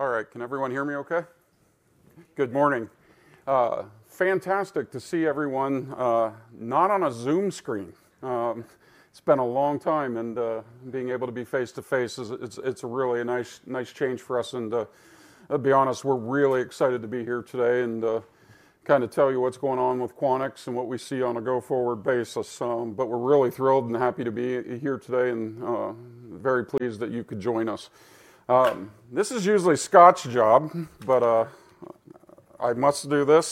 All right, can everyone hear me okay? Good morning. Fantastic to see everyone, not on a Zoom screen. It's been a long time, and being able to be face-to-face, it's really a nice change for us, and to be honest, we're really excited to be here today and kind of tell you what's going on with Quanex and what we see on a go-forward basis, but we're really thrilled and happy to be here today and very pleased that you could join us. This is usually Scott's job, but I must do this,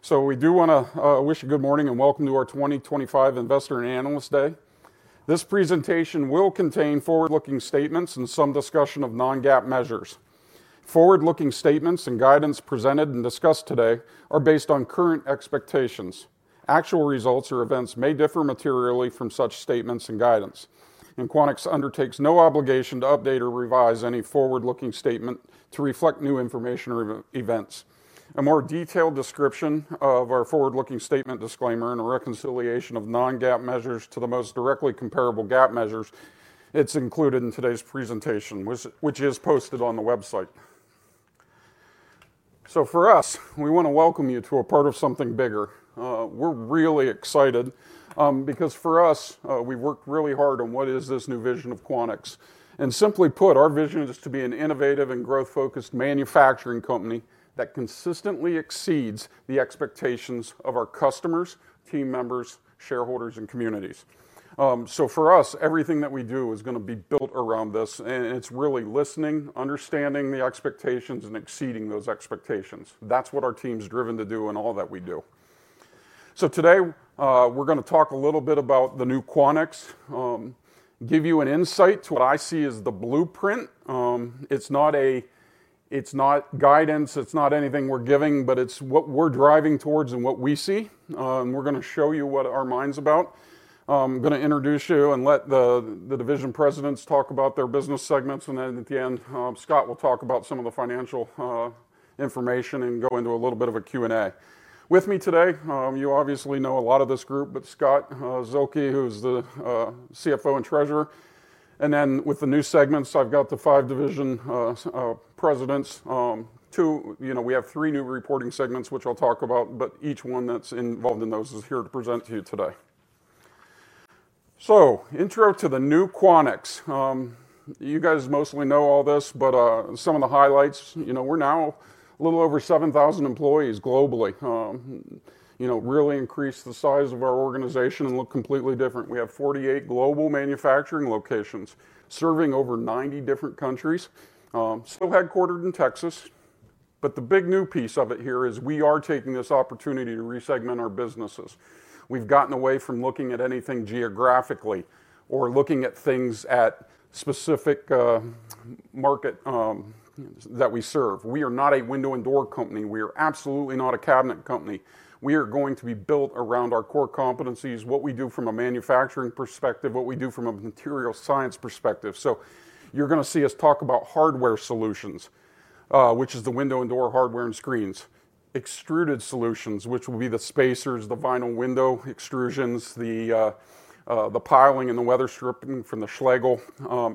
so we do want to wish you good morning and welcome to our 2025 Investor and Analyst Day. This presentation will contain forward-looking statements and some discussion of non-GAAP measures. Forward-looking statements and guidance presented and discussed today are based on current expectations. Actual results or events may differ materially from such statements and guidance. Quanex undertakes no obligation to update or revise any forward-looking statement to reflect new information or events. A more detailed description of our forward-looking statement disclaimer and a reconciliation of non-GAAP measures to the most directly comparable GAAP measures is included in today's presentation, which is posted on the website. For us, we want to welcome you to a part of something bigger. We're really excited because for us, we've worked really hard on what is this new vision of Quanex. Simply put, our vision is to be an innovative and growth-focused manufacturing company that consistently exceeds the expectations of our customers, team members, shareholders, and communities. For us, everything that we do is going to be built around this. It's really listening, understanding the expectations, and exceeding those expectations. That's what our team's driven to do in all that we do. So today, we're going to talk a little bit about the new Quanex, give you an insight to what I see as the blueprint. It's not guidance, it's not anything we're giving, but it's what we're driving towards and what we see. And we're going to show you what our mind's about. I'm going to introduce you and let the division presidents talk about their business segments. And then at the end, Scott will talk about some of the financial information and go into a little bit of a Q&A. With me today, you obviously know a lot of this group, but Scott Zuehlke, who's the CFO and treasurer. And then with the new segments, I've got the five division presidents. We have three new reporting segments, which I'll talk about, but each one that's involved in those is here to present to you today. So, intro to the new Quanex. You guys mostly know all this, but some of the highlights, we're now a little over 7,000 employees globally, really increased the size of our organization and look completely different. We have 48 global manufacturing locations serving over 90 different countries, still headquartered in Texas. But the big new piece of it here is we are taking this opportunity to resegment our businesses. We've gotten away from looking at anything geographically or looking at things at specific markets that we serve. We are not a window and door company. We are absolutely not a cabinet company. We are going to be built around our core competencies, what we do from a manufacturing perspective, what we do from a material science perspective. So you're going to see us talk about Hardware Solutions, which is the window and door hardware and screens, Extruded Solutions, which will be the spacers, the vinyl window extrusions, the pile and the weather stripping from the Schlegel,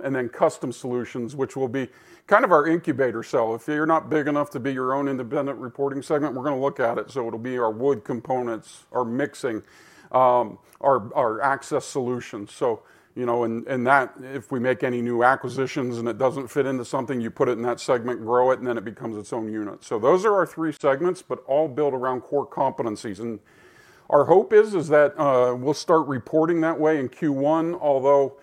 and then Custom Solutions, which will be kind of our incubator. So if you're not big enough to be your own independent reporting segment, we're going to look at it. So it'll be our wood components, our mixing, our access solutions. So in that, if we make any new acquisitions and it doesn't fit into something, you put it in that segment, grow it, and then it becomes its own unit. So those are our three segments, but all built around core competencies. And our hope is that we'll start reporting that way in Q1, although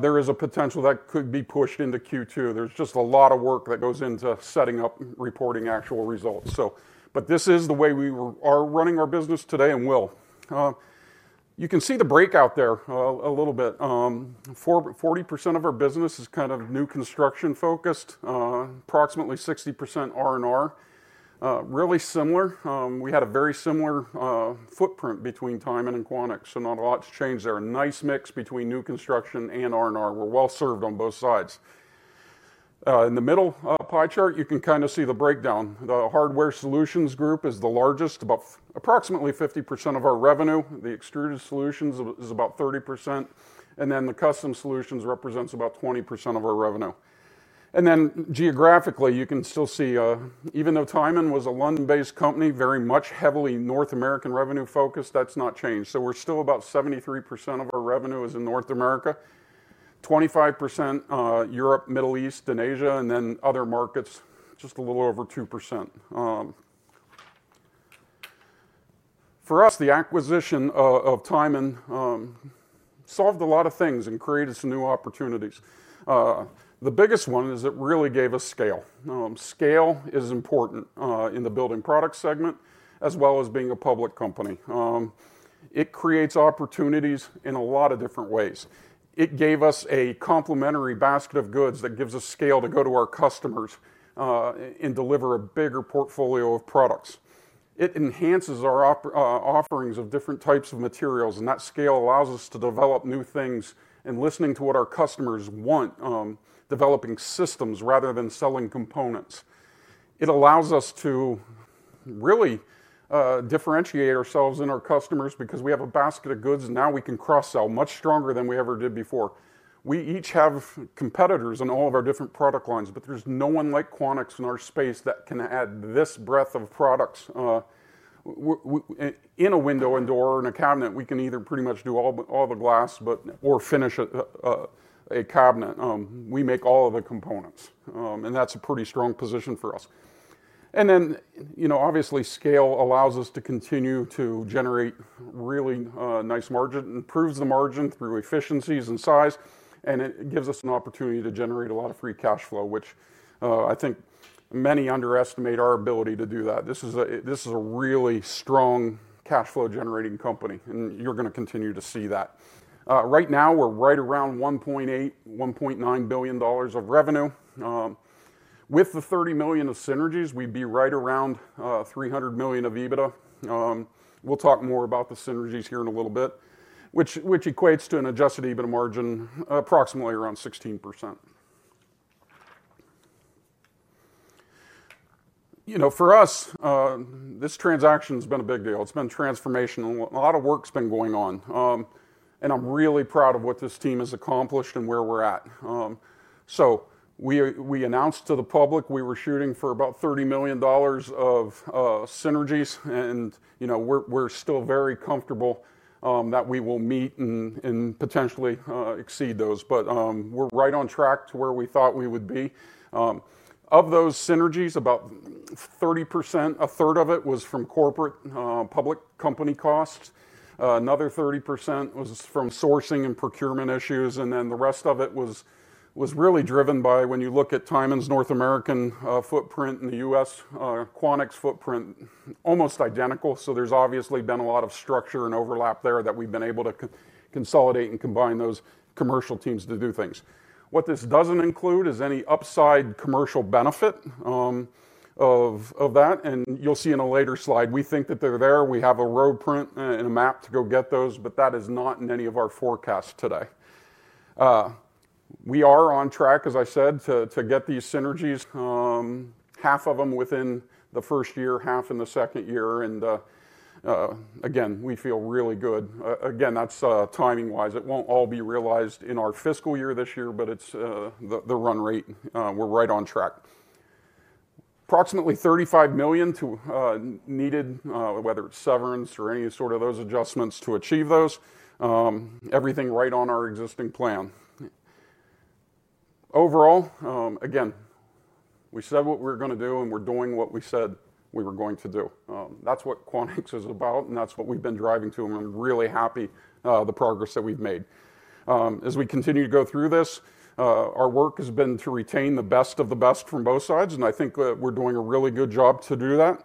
there is a potential that could be pushed into Q2. There's just a lot of work that goes into setting up reporting actual results. But this is the way we are running our business today and will. You can see the breakout there a little bit. 40% of our business is kind of new construction focused, approximately 60% R&R. Really similar. We had a very similar footprint between Tyman and Quanex, so not a lot's changed there. Nice mix between new construction and R&R. We're well served on both sides. In the middle pie chart, you can kind of see the breakdown. The Hardware Solutions group is the largest, about approximately 50% of our revenue. The Extruded Solutions is about 30%. And then the Custom Solutions represents about 20% of our revenue. And then geographically, you can still see, even though Tyman was a London-based company, very much heavily North American revenue focused, that's not changed. We're still about 73% of our revenue is in North America, 25% Europe, Middle East, and Asia, and then other markets, just a little over 2%. For us, the acquisition of Tyman solved a lot of things and created some new opportunities. The biggest one is it really gave us scale. Scale is important in the building product segment, as well as being a public company. It creates opportunities in a lot of different ways. It gave us a complementary basket of goods that gives us scale to go to our customers and deliver a bigger portfolio of products. It enhances our offerings of different types of materials, and that scale allows us to develop new things and listening to what our customers want, developing systems rather than selling components. It allows us to really differentiate ourselves and our customers because we have a basket of goods, and now we can cross-sell much stronger than we ever did before. We each have competitors in all of our different product lines, but there's no one like Quanex in our space that can add this breadth of products. In a window and door and a cabinet, we can either pretty much do all the glass or finish a cabinet. We make all of the components, and that's a pretty strong position for us, and then, obviously, scale allows us to continue to generate really nice margin and improves the margin through efficiencies and size, and it gives us an opportunity to generate a lot of free cash flow, which I think many underestimate our ability to do that. This is a really strong cash flow generating company, and you're going to continue to see that. Right now, we're right around $1.8 billion -$1.9 billion of revenue. With the $30 million of synergies, we'd be right around $300 million of EBITDA. We'll talk more about the synergies here in a little bit, which equates to an adjusted EBITDA margin approximately around 16%. For us, this transaction has been a big deal. It's been transformational. A lot of work's been going on, and I'm really proud of what this team has accomplished and where we're at. So we announced to the public we were shooting for about $30 million of synergies, and we're still very comfortable that we will meet and potentially exceed those. But we're right on track to where we thought we would be. Of those synergies, about 30%, a third of it was from corporate public company costs. Another 30% was from sourcing and procurement issues. And then the rest of it was really driven by, when you look at Tyman's North American footprint and the U.S. Quanex footprint, almost identical. So there's obviously been a lot of structure and overlap there that we've been able to consolidate and combine those commercial teams to do things. What this doesn't include is any upside commercial benefit of that. And you'll see in a later slide, we think that they're there. We have a roadmap to go get those, but that is not in any of our forecasts today. We are on track, as I said, to get these synergies, half of them within the first year, half in the second year. And again, we feel really good. Again, that's timing-wise. It won't all be realized in our fiscal year this year, but it's the run rate. We're right on track. Approximately $35 million needed, whether it's severance or any sort of those adjustments to achieve those. Everything right on our existing plan. Overall, again, we said what we were going to do, and we're doing what we said we were going to do. That's what Quanex is about, and that's what we've been driving to. And I'm really happy with the progress that we've made. As we continue to go through this, our work has been to retain the best of the best from both sides, and I think we're doing a really good job to do that.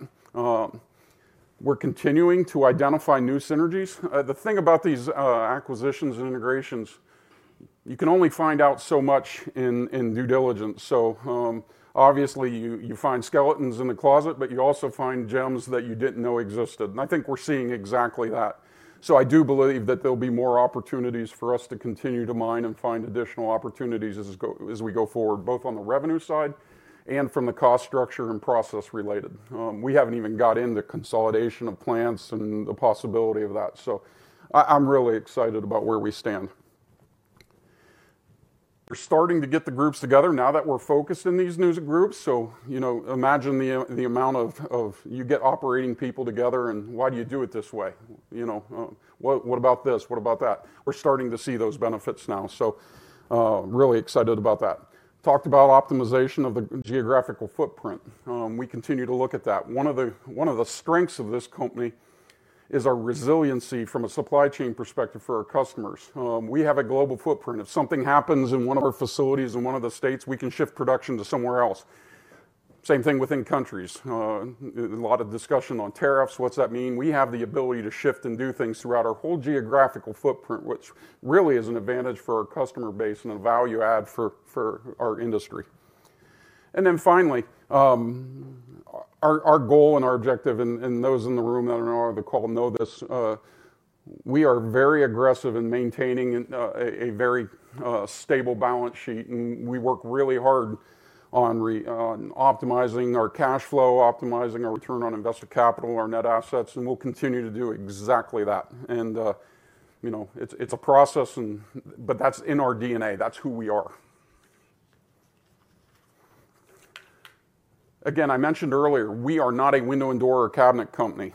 We're continuing to identify new synergies. The thing about these acquisitions and integrations, you can only find out so much in due diligence. So obviously, you find skeletons in the closet, but you also find gems that you didn't know existed. And I think we're seeing exactly that. I do believe that there'll be more opportunities for us to continue to mine and find additional opportunities as we go forward, both on the revenue side and from the cost structure and process related. We haven't even got into consolidation of plants and the possibility of that. I'm really excited about where we stand. We're starting to get the groups together now that we're focused in these new groups. Imagine the amount of you get operating people together, and why do you do it this way? What about this? What about that? We're starting to see those benefits now. Really excited about that. Talked about optimization of the geographical footprint. We continue to look at that. One of the strengths of this company is our resiliency from a supply chain perspective for our customers. We have a global footprint. If something happens in one of our facilities in one of the states, we can shift production to somewhere else. Same thing within countries. A lot of discussion on tariffs. What's that mean? We have the ability to shift and do things throughout our whole geographical footprint, which really is an advantage for our customer base and a value add for our industry. And then finally, our goal and our objective, and those in the room that are on the call know this, we are very aggressive in maintaining a very stable balance sheet. And we work really hard on optimizing our cash flow, optimizing our return on invested capital, our net assets, and we'll continue to do exactly that. And it's a process, but that's in our DNA. That's who we are. Again, I mentioned earlier, we are not a window and door or cabinet company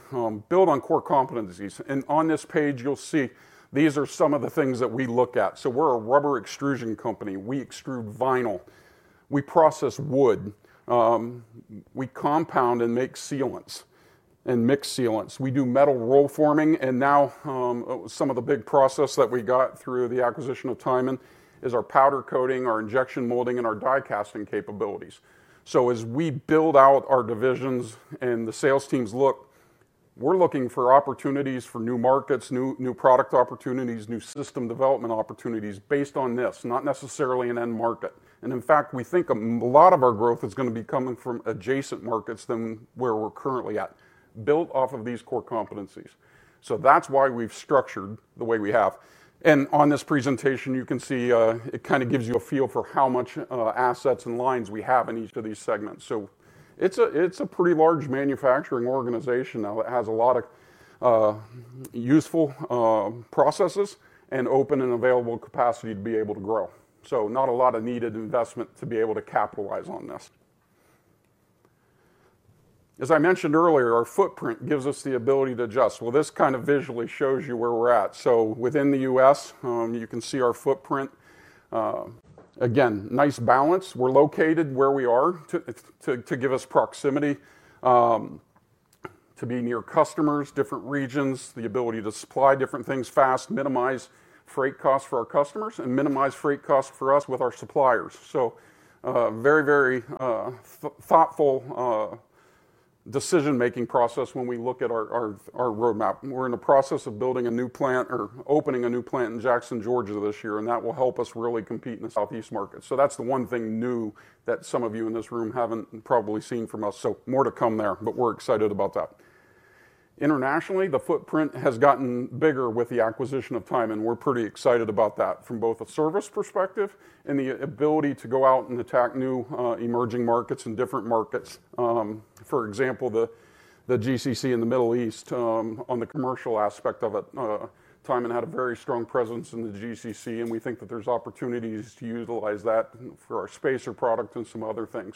built on core competencies, and on this page, you'll see these are some of the things that we look at, so we're a rubber extrusion company. We extrude vinyl. We process wood. We compound and make sealants and mix sealants. We do metal roll forming, and now some of the big process that we got through the acquisition of Tyman is our powder coating, our injection molding, and our die casting capabilities, so as we build out our divisions and the sales teams look, we're looking for opportunities for new markets, new product opportunities, new system development opportunities based on this, not necessarily an end market, and in fact, we think a lot of our growth is going to be coming from adjacent markets than where we're currently at, built off of these core competencies. So that's why we've structured the way we have. And on this presentation, you can see it kind of gives you a feel for how much assets and lines we have in each of these segments. So it's a pretty large manufacturing organization now that has a lot of useful processes and open and available capacity to be able to grow. So not a lot of needed investment to be able to capitalize on this. As I mentioned earlier, our footprint gives us the ability to adjust. Well, this kind of visually shows you where we're at. So within the U.S., you can see our footprint. Again, nice balance. We're located where we are to give us proximity to be near customers, different regions, the ability to supply different things fast, minimize freight costs for our customers, and minimize freight costs for us with our suppliers. So, very, very thoughtful decision-making process when we look at our roadmap. We're in the process of building a new plant or opening a new plant in Jackson, Georgia, this year, and that will help us really compete in the Southeast market. That's the one thing new that some of you in this room haven't probably seen from us. More to come there, but we're excited about that. Internationally, the footprint has gotten bigger with the acquisition of Tyman, and we're pretty excited about that from both a service perspective and the ability to go out and attack new emerging markets and different markets. For example, the GCC in the Middle East on the commercial aspect of it. Tyman had a very strong presence in the GCC, and we think that there's opportunities to utilize that for our spacer product and some other things.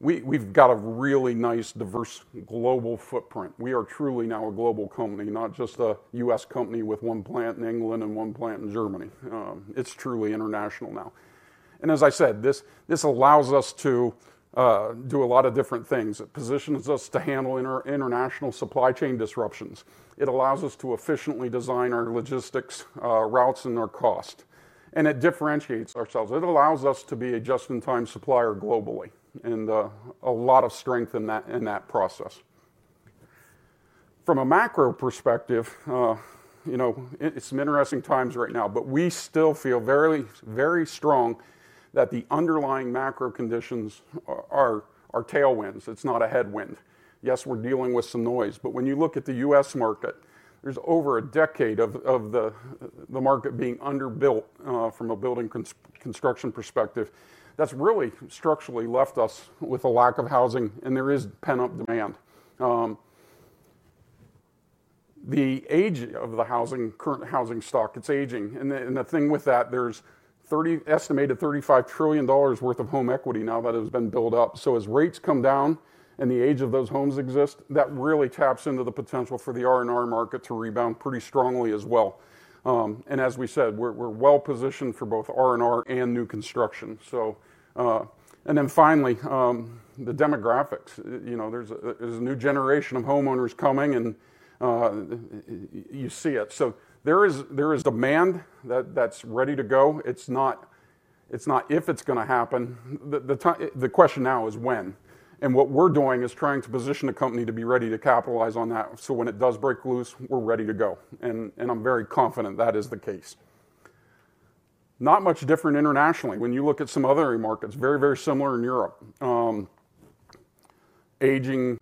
So we've got a really nice, diverse global footprint. We are truly now a global company, not just a U.S. company with one plant in England and one plant in Germany. It's truly international now. And as I said, this allows us to do a lot of different things. It positions us to handle international supply chain disruptions. It allows us to efficiently design our logistics routes and our cost. And it differentiates ourselves. It allows us to be a just-in-time supplier globally and a lot of strength in that process. From a macro perspective, it's some interesting times right now, but we still feel very, very strong that the underlying macro conditions are tailwinds. It's not a headwind. Yes, we're dealing with some noise. But when you look at the U.S. market, there's over a decade of the market being underbuilt from a building construction perspective. That's really structurally left us with a lack of housing, and there is pent-up demand. The age of the current housing stock, it's aging, and the thing with that, there's estimated $35 trillion worth of home equity now that has been built up. So as rates come down and the age of those homes exist, that really taps into the potential for the R&R market to rebound pretty strongly as well, and as we said, we're well positioned for both R&R and new construction, and then finally, the demographics. There's a new generation of homeowners coming, and you see it, so there is demand that's ready to go. It's not if it's going to happen. The question now is when, and what we're doing is trying to position a company to be ready to capitalize on that so when it does break loose, we're ready to go. I'm very confident that is the case. Not much different internationally. When you look at some other markets, very, very similar in Europe. Aging,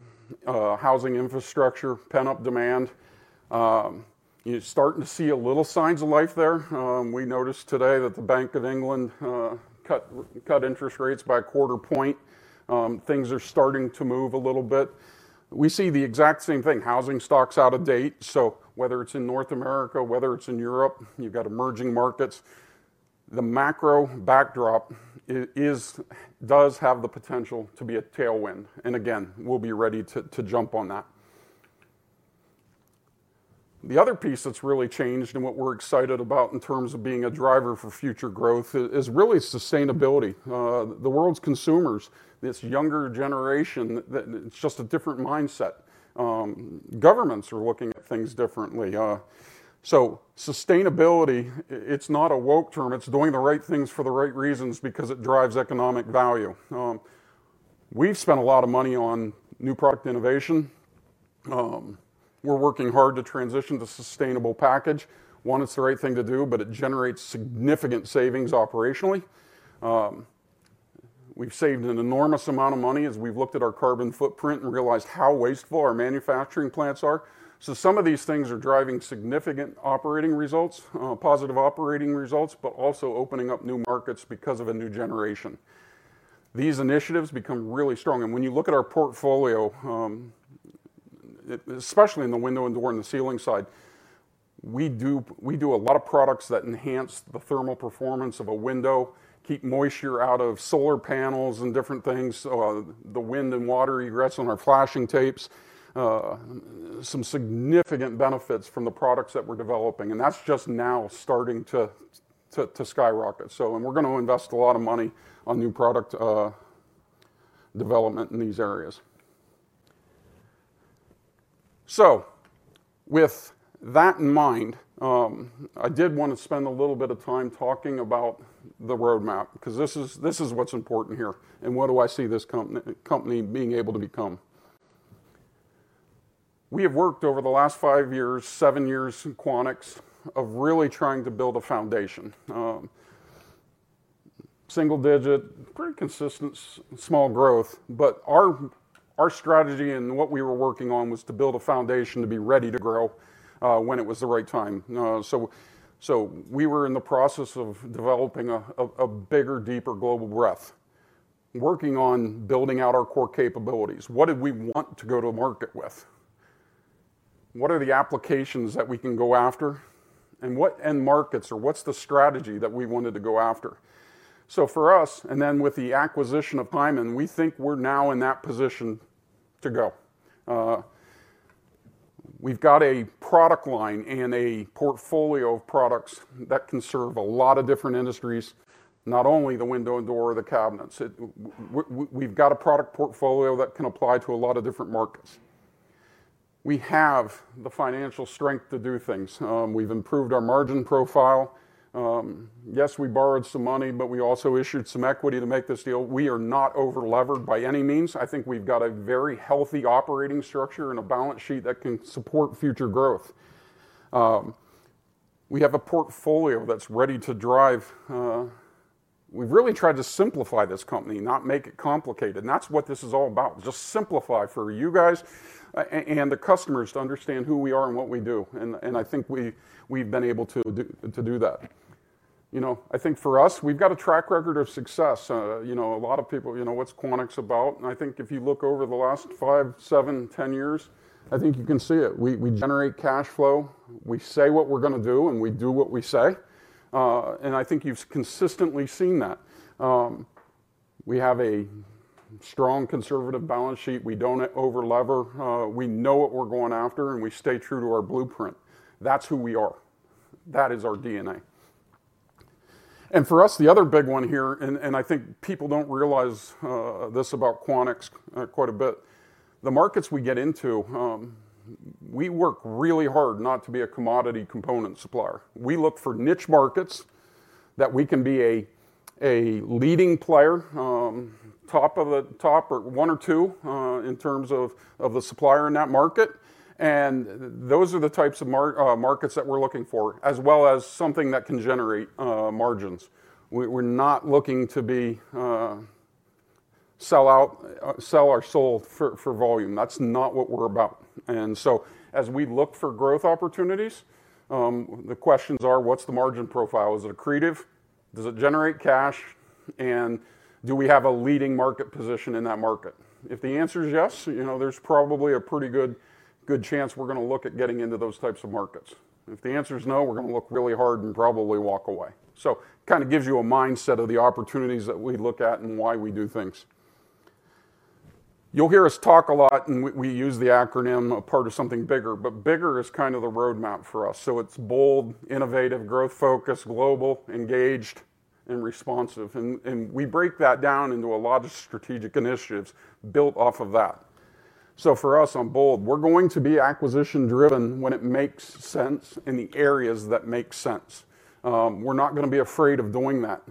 housing infrastructure, pent-up demand. You're starting to see a little signs of life there. We noticed today that the Bank of England cut interest rates by a quarter point. Things are starting to move a little bit. We see the exact same thing. Housing stock's out of date. So whether it's in North America, whether it's in Europe, you've got emerging markets. The macro backdrop does have the potential to be a tailwind. And again, we'll be ready to jump on that. The other piece that's really changed and what we're excited about in terms of being a driver for future growth is really sustainability. The world's consumers, this younger generation, it's just a different mindset. Governments are looking at things differently. So sustainability, it's not a woke term. It's doing the right things for the right reasons because it drives economic value. We've spent a lot of money on new product innovation. We're working hard to transition to sustainable packaging. One, it's the right thing to do, but it generates significant savings operationally. We've saved an enormous amount of money as we've looked at our carbon footprint and realized how wasteful our manufacturing plants are. So some of these things are driving significant operating results, positive operating results, but also opening up new markets because of a new generation. These initiatives become really strong. And when you look at our portfolio, especially in the window and door and the sealing side, we do a lot of products that enhance the thermal performance of a window, keep moisture out of solar panels and different things. The wind and water ingress on our flashing tapes, some significant benefits from the products that we're developing. And that's just now starting to skyrocket. And we're going to invest a lot of money on new product development in these areas. So with that in mind, I did want to spend a little bit of time talking about the roadmap because this is what's important here and what do I see this company being able to become. We have worked over the last five years, seven years in Quanex of really trying to build a foundation. Single-digit, pretty consistent, small growth. But our strategy and what we were working on was to build a foundation to be ready to grow when it was the right time. So we were in the process of developing a bigger, deeper global breadth, working on building out our core capabilities. What did we want to go to market with? What are the applications that we can go after? And what end markets or what's the strategy that we wanted to go after? So for us, and then with the acquisition of Tyman, we think we're now in that position to go. We've got a product line and a portfolio of products that can serve a lot of different industries, not only the window and door or the cabinets. We've got a product portfolio that can apply to a lot of different markets. We have the financial strength to do things. We've improved our margin profile. Yes, we borrowed some money, but we also issued some equity to make this deal. We are not over-levered by any means. I think we've got a very healthy operating structure and a balance sheet that can support future growth. We have a portfolio that's ready to drive. We've really tried to simplify this company, not make it complicated, and that's what this is all about. Just simplify for you guys and the customers to understand who we are and what we do, and I think we've been able to do that. I think for us, we've got a track record of success. A lot of people, what's Quanex about? And I think if you look over the last five, seven, ten years, I think you can see it. We generate cash flow. We say what we're going to do, and we do what we say, and I think you've consistently seen that. We have a strong conservative balance sheet. We don't over-lever. We know what we're going after, and we stay true to our blueprint. That's who we are. That is our DNA. And for us, the other big one here, and I think people don't realize this about Quanex quite a bit, the markets we get into, we work really hard not to be a commodity component supplier. We look for niche markets that we can be a leading player, top of the top or one or two in terms of the supplier in that market. And those are the types of markets that we're looking for, as well as something that can generate margins. We're not looking to sell our soul for volume. That's not what we're about. And so as we look for growth opportunities, the questions are, what's the margin profile? Is it accretive? Does it generate cash? And do we have a leading market position in that market? If the answer is yes, there's probably a pretty good chance we're going to look at getting into those types of markets. If the answer is no, we're going to look really hard and probably walk away. So it kind of gives you a mindset of the opportunities that we look at and why we do things. You'll hear us talk a lot, and we use the acronym a part of something bigger. But bigger is kind of the roadmap for us. So it's bold, innovative, growth-focused, global, engaged, and responsive. And we break that down into a lot of strategic initiatives built off of that. So for us on bold, we're going to be acquisition-driven when it makes sense in the areas that make sense. We're not going to be afraid of doing that.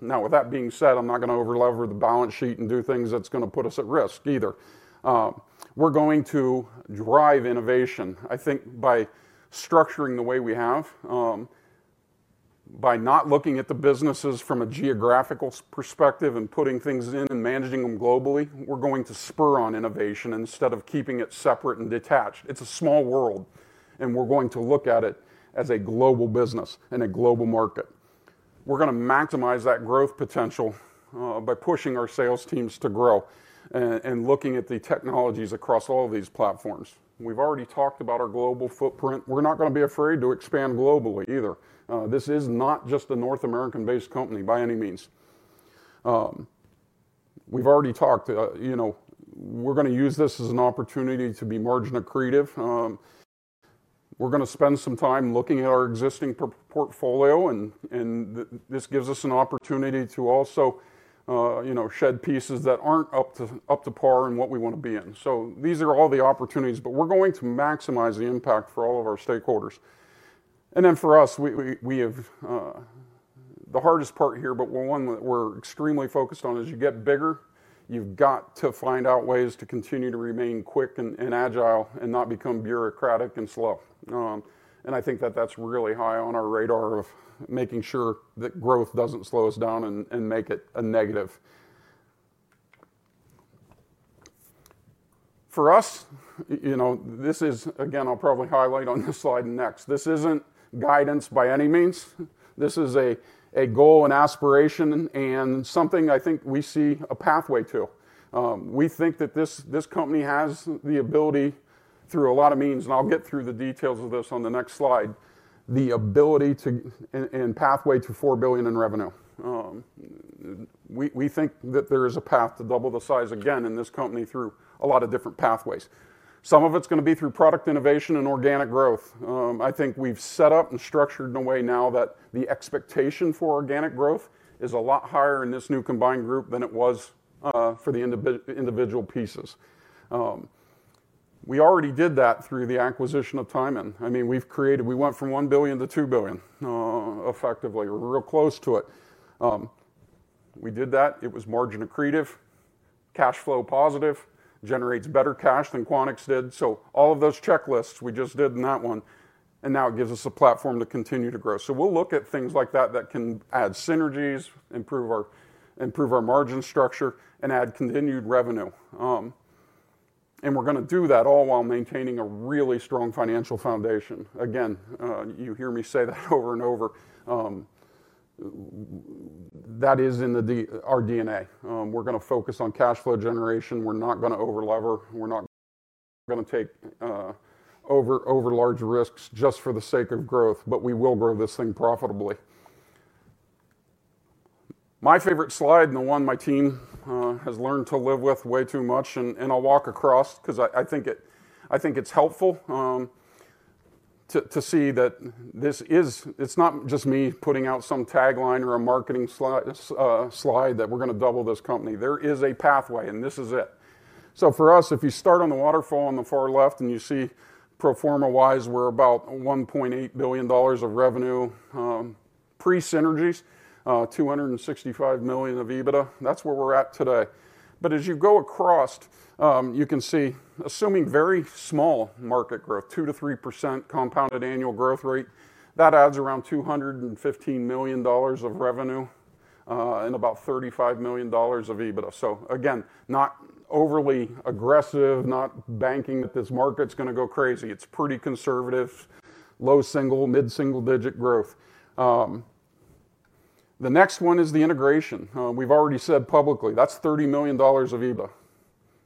Now, with that being said, I'm not going to over-lever the balance sheet and do things that's going to put us at risk either. We're going to drive innovation. I think by structuring the way we have, by not looking at the businesses from a geographical perspective and putting things in and managing them globally, we're going to spur on innovation instead of keeping it separate and detached. It's a small world, and we're going to look at it as a global business and a global market. We're going to maximize that growth potential by pushing our sales teams to grow and looking at the technologies across all of these platforms. We've already talked about our global footprint. We're not going to be afraid to expand globally either. This is not just a North American-based company by any means. We've already talked. We're going to use this as an opportunity to be margin accretive. We're going to spend some time looking at our existing portfolio, and this gives us an opportunity to also shed pieces that aren't up to par in what we want to be in. So these are all the opportunities, but we're going to maximize the impact for all of our stakeholders. And then for us, the hardest part here, but one that we're extremely focused on is you get bigger, you've got to find out ways to continue to remain quick and agile and not become bureaucratic and slow. And I think that that's really high on our radar of making sure that growth doesn't slow us down and make it a negative. For us, this is, again, I'll probably highlight on this slide next. This isn't guidance by any means. This is a goal and aspiration and something I think we see a pathway to. We think that this company has the ability through a lot of means, and I'll get through the details of this on the next slide, the ability and pathway to $4 billion in revenue. We think that there is a path to double the size again in this company through a lot of different pathways. Some of it's going to be through product innovation and organic growth. I think we've set up and structured in a way now that the expectation for organic growth is a lot higher in this new combined group than it was for the individual pieces. We already did that through the acquisition of Tyman. I mean, we went from $1 billion -$2 billion effectively. We're real close to it. We did that. It was margin accretive, cash flow positive, generates better cash than Quanex did. So all of those checklists we just did in that one, and now it gives us a platform to continue to grow. So we'll look at things like that that can add synergies, improve our margin structure, and add continued revenue. And we're going to do that all while maintaining a really strong financial foundation. Again, you hear me say that over and over. That is in our DNA. We're going to focus on cash flow generation. We're not going to over-lever. We're not going to take over-large risks just for the sake of growth, but we will grow this thing profitably. My favorite slide and the one my team has learned to live with way too much, and I'll walk across because I think it's helpful to see that this is, it's not just me putting out some tagline or a marketing slide that we're going to double this company. There is a pathway, and this is it, so for us, if you start on the waterfall on the far left and you see pro forma-wise, we're about $1.8 billion of revenue. Pre-synergies, $265 million of EBITDA. That's where we're at today, but as you go across, you can see, assuming very small market growth, 2%-3% compounded annual growth rate, that adds around $215 million of revenue and about $35 million of EBITDA. So again, not overly aggressive, not banking that this market's going to go crazy. It's pretty conservative, low single, mid-single digit growth. The next one is the integration. We've already said publicly, that's $30 million of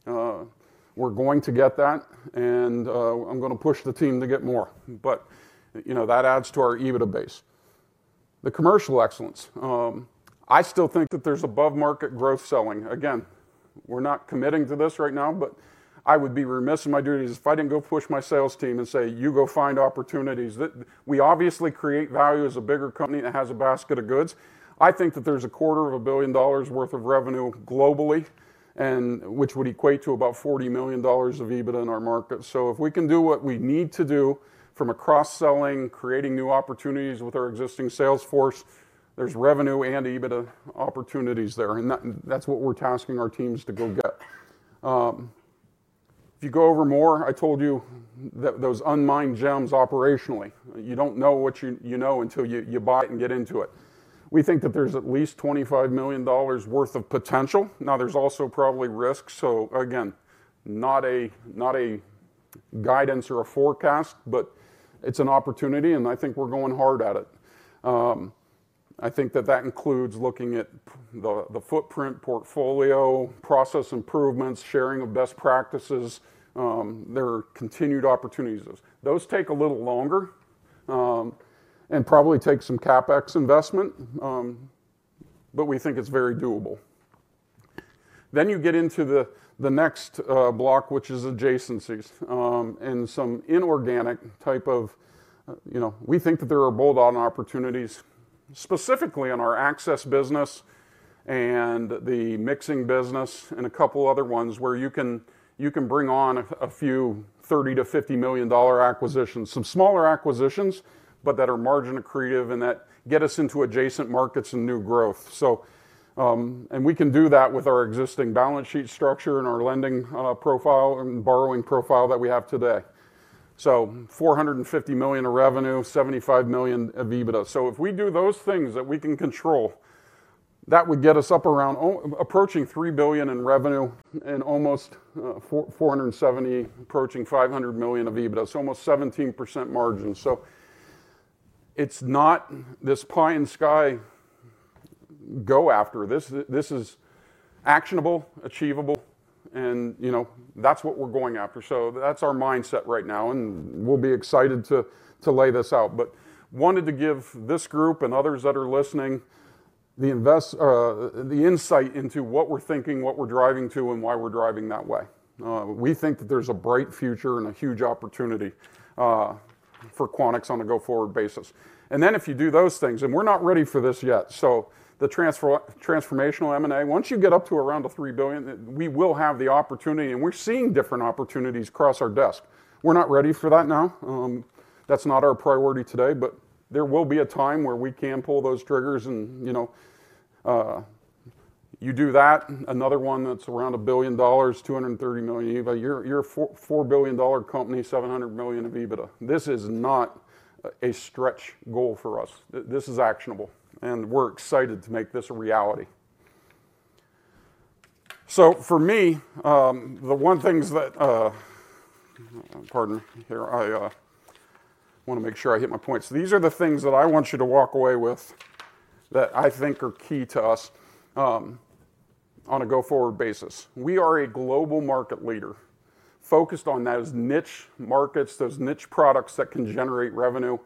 EBITDA. We're going to get that, and I'm going to push the team to get more. But that adds to our EBITDA base. The commercial excellence. I still think that there's above-market growth selling. Again, we're not committing to this right now, but I would be remiss in my duties if I didn't go push my sales team and say, "You go find opportunities." We obviously create value as a bigger company that has a basket of goods. I think that there's $250 million worth of revenue globally, which would equate to about $40 million of EBITDA in our market. So if we can do what we need to do from across selling, creating new opportunities with our existing sales force, there's revenue and EBITDA opportunities there. And that's what we're tasking our teams to go get. If you go over more, I told you that those unmined gems operationally, you don't know what you know until you buy it and get into it. We think that there's at least $25 million worth of potential. Now, there's also probably risks. So again, not a guidance or a forecast, but it's an opportunity, and I think we're going hard at it. I think that that includes looking at the footprint, portfolio, process improvements, sharing of best practices, their continued opportunities. Those take a little longer and probably take some CapEx investment, but we think it's very doable. Then you get into the next block, which is adjacencies and some inorganic type of. We think that there are bolt-on opportunities specifically in our access business and the mixing business and a couple other ones where you can bring on a few $30 million-$50 million acquisitions, some smaller acquisitions, but that are margin accretive and that get us into adjacent markets and new growth. And we can do that with our existing balance sheet structure and our lending profile and borrowing profile that we have today. So $450 million of revenue, $75 million of EBITDA. So if we do those things that we can control, that would get us up around approaching $3 billion in revenue and almost $470 million, approaching $500 million of EBITDA, so almost 17% margin. So it's not this pie-in-the-sky go after. This is actionable, achievable, and that's what we're going after. So that's our mindset right now, and we'll be excited to lay this out. But wanted to give this group and others that are listening the insight into what we're thinking, what we're driving to, and why we're driving that way. We think that there's a bright future and a huge opportunity for Quanex on a go-forward basis. And then if you do those things, and we're not ready for this yet, so the transformational M&A, once you get up to around the $3 billion, we will have the opportunity, and we're seeing different opportunities cross our desk. We're not ready for that now. That's not our priority today, but there will be a time where we can pull those triggers and you do that. Another one that's around $1 billion, $230 million EBITDA. You're a $4 billion company, $700 million of EBITDA. This is not a stretch goal for us. This is actionable, and we're excited to make this a reality. So for me, the one things that, pardon, here I want to make sure I hit my points. These are the things that I want you to walk away with that I think are key to us on a go-forward basis. We are a global market leader focused on those niche markets, those niche products that can generate revenue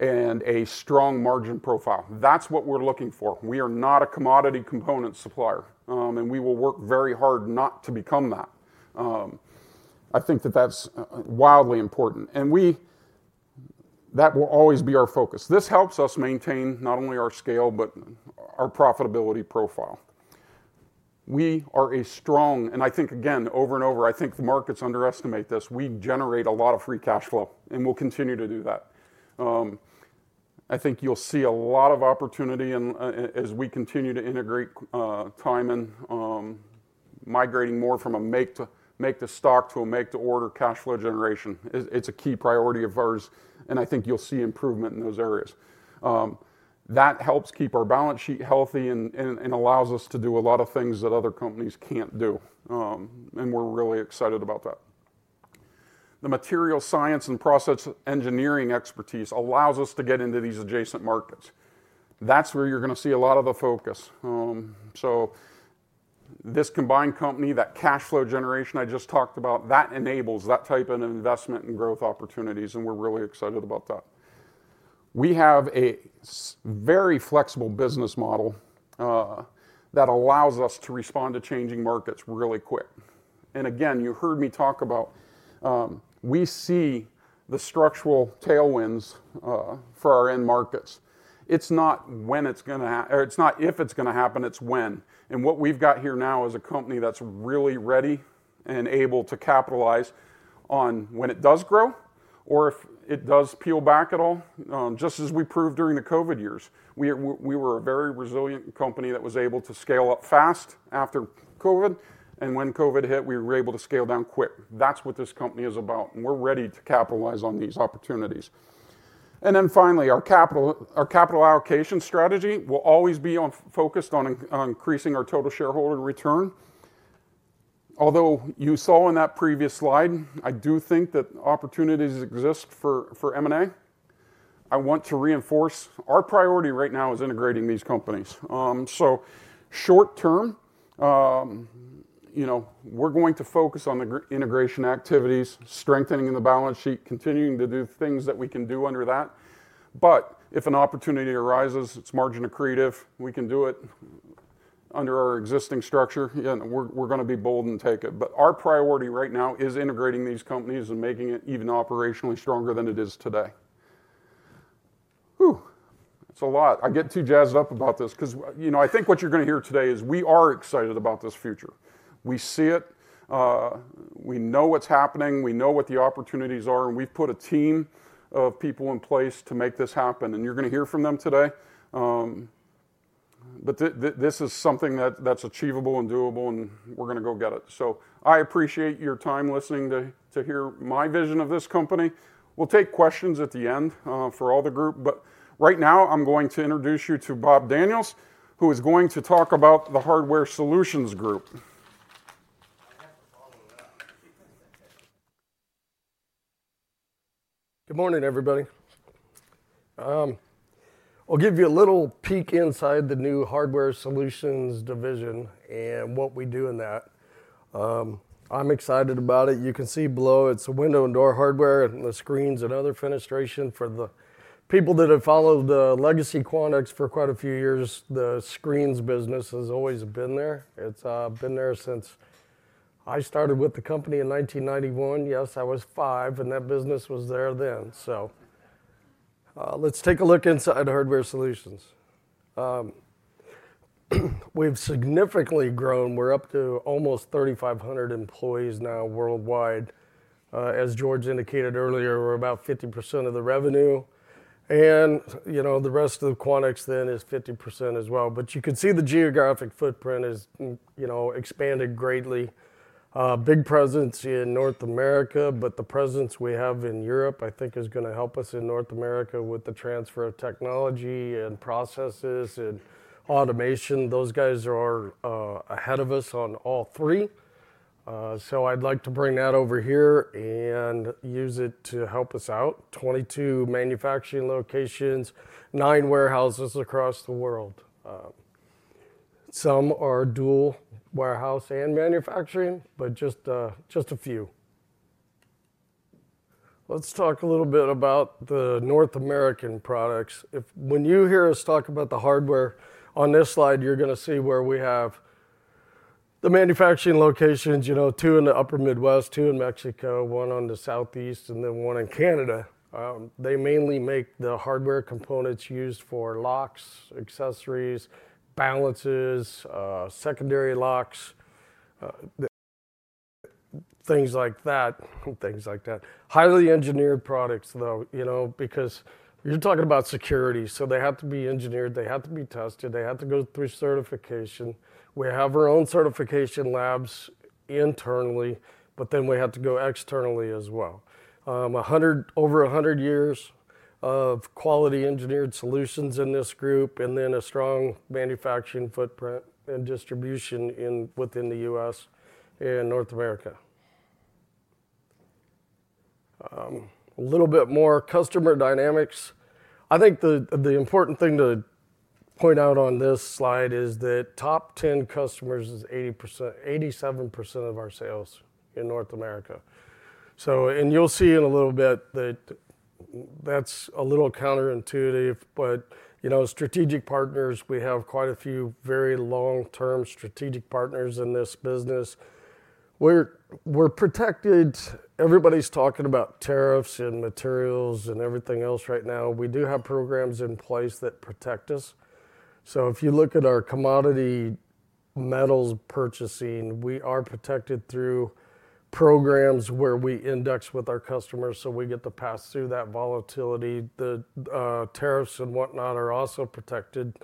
and a strong margin profile. That's what we're looking for. We are not a commodity component supplier, and we will work very hard not to become that. I think that that's wildly important, and that will always be our focus. This helps us maintain not only our scale, but our profitability profile. We are a strong, and I think, again, over and over, I think the markets underestimate this. We generate a lot of free cash flow, and we'll continue to do that. I think you'll see a lot of opportunity as we continue to integrate Tyman and migrating more from a make-to-stock to a make-to-order cash flow generation. It's a key priority of ours, and I think you'll see improvement in those areas. That helps keep our balance sheet healthy and allows us to do a lot of things that other companies can't do, and we're really excited about that. The material science and process engineering expertise allows us to get into these adjacent markets. That's where you're going to see a lot of the focus. So this combined company, that cash flow generation I just talked about, that enables that type of investment and growth opportunities, and we're really excited about that. We have a very flexible business model that allows us to respond to changing markets really quick. And again, you heard me talk about we see the structural tailwinds for our end markets. It's not when it's going to happen, it's not if it's going to happen, it's when. And what we've got here now is a company that's really ready and able to capitalize on when it does grow or if it does peel back at all, just as we proved during the COVID years. We were a very resilient company that was able to scale up fast after COVID, and when COVID hit, we were able to scale down quick. That's what this company is about, and we're ready to capitalize on these opportunities. And then finally, our capital allocation strategy will always be focused on increasing our total shareholder return. Although you saw in that previous slide, I do think that opportunities exist for M&A. I want to reinforce our priority right now is integrating these companies. So short term, we're going to focus on the integration activities, strengthening the balance sheet, continuing to do things that we can do under that. But if an opportunity arises, it's margin accretive, we can do it under our existing structure, and we're going to be bold and take it. But our priority right now is integrating these companies and making it even operationally stronger than it is today. Whew. It's a lot. I get too jazzed up about this because I think what you're going to hear today is we are excited about this future. We see it. We know what's happening. We know what the opportunities are, and we've put a team of people in place to make this happen, and you're going to hear from them today. But this is something that's achievable and doable, and we're going to go get it. So I appreciate your time listening to hear my vision of this company. We'll take questions at the end for all the group, but right now I'm going to introduce you to Bob Daniels, who is going to talk about the Hardware Solutions group. Good morning, everybody. I'll give you a little peek inside the new Hardware Solutions division and what we do in that. I'm excited about it. You can see below, it's a window and door hardware and the screens and other fenestration for the people that have followed the legacy Quanex for quite a few years. The screens business has always been there. It's been there since I started with the company in 1991. Yes, I was five, and that business was there then. So let's take a look inside Hardware Solutions. We've significantly grown. We're up to almost 3,500 employees now worldwide. As George indicated earlier, we're about 50% of the revenue, and the rest of the Quanex then is 50% as well. But you can see the geographic footprint has expanded greatly. Big presence in North America, but the presence we have in Europe, I think, is going to help us in North America with the transfer of technology and processes and automation. Those guys are ahead of us on all three. So I'd like to bring that over here and use it to help us out. 22 manufacturing locations, 9 warehouses across the world. Some are dual warehouse and manufacturing, but just a few. Let's talk a little bit about the North American products. When you hear us talk about the hardware on this slide, you're going to see where we have the manufacturing locations, two in the upper Midwest, two in Mexico, one on the southeast, and then one in Canada. They mainly make the hardware components used for locks, accessories, balances, secondary locks, things like that, things like that. Highly engineered products, though, because you're talking about security, so they have to be engineered, they have to be tested, they have to go through certification. We have our own certification labs internally, but then we have to go externally as well. Over 100 years of quality engineered solutions in this group, and then a strong manufacturing footprint and distribution within the U.S. and North America. A little bit more customer dynamics. I think the important thing to point out on this slide is that top 10 customers is 87% of our sales in North America. And you'll see in a little bit that that's a little counterintuitive, but strategic partners, we have quite a few very long-term strategic partners in this business. We're protected. Everybody's talking about tariffs and materials and everything else right now. We do have programs in place that protect us. So if you look at our commodity metals purchasing, we are protected through programs where we index with our customers, so we get to pass through that volatility. The tariffs and whatnot are also protected.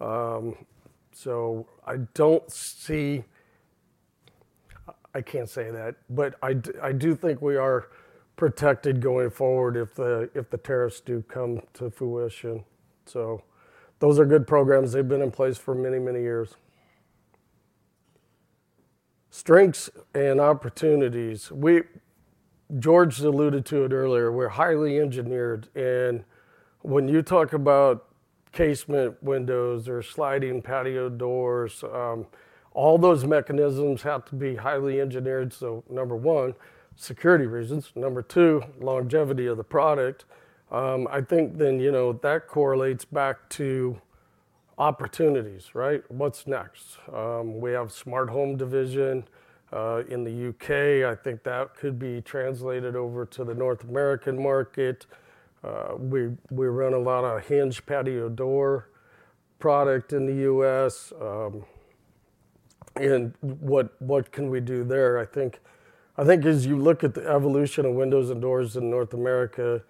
So I don't see. I can't say that, but I do think we are protected going forward if the tariffs do come to fruition. So those are good programs. They've been in place for many, many years. Strengths and opportunities. George alluded to it earlier. We're highly engineered, and when you talk about casement windows or sliding patio doors, all those mechanisms have to be highly engineered, so number one, security reasons. Number two, longevity of the product. I think then that correlates back to opportunities, right? What's next? We have a smart home division in the U.K. I think that could be translated over to the North American market. We run a lot of hinge patio door product in the U.S. And what can we do there? I think as you look at the evolution of windows and doors in North America,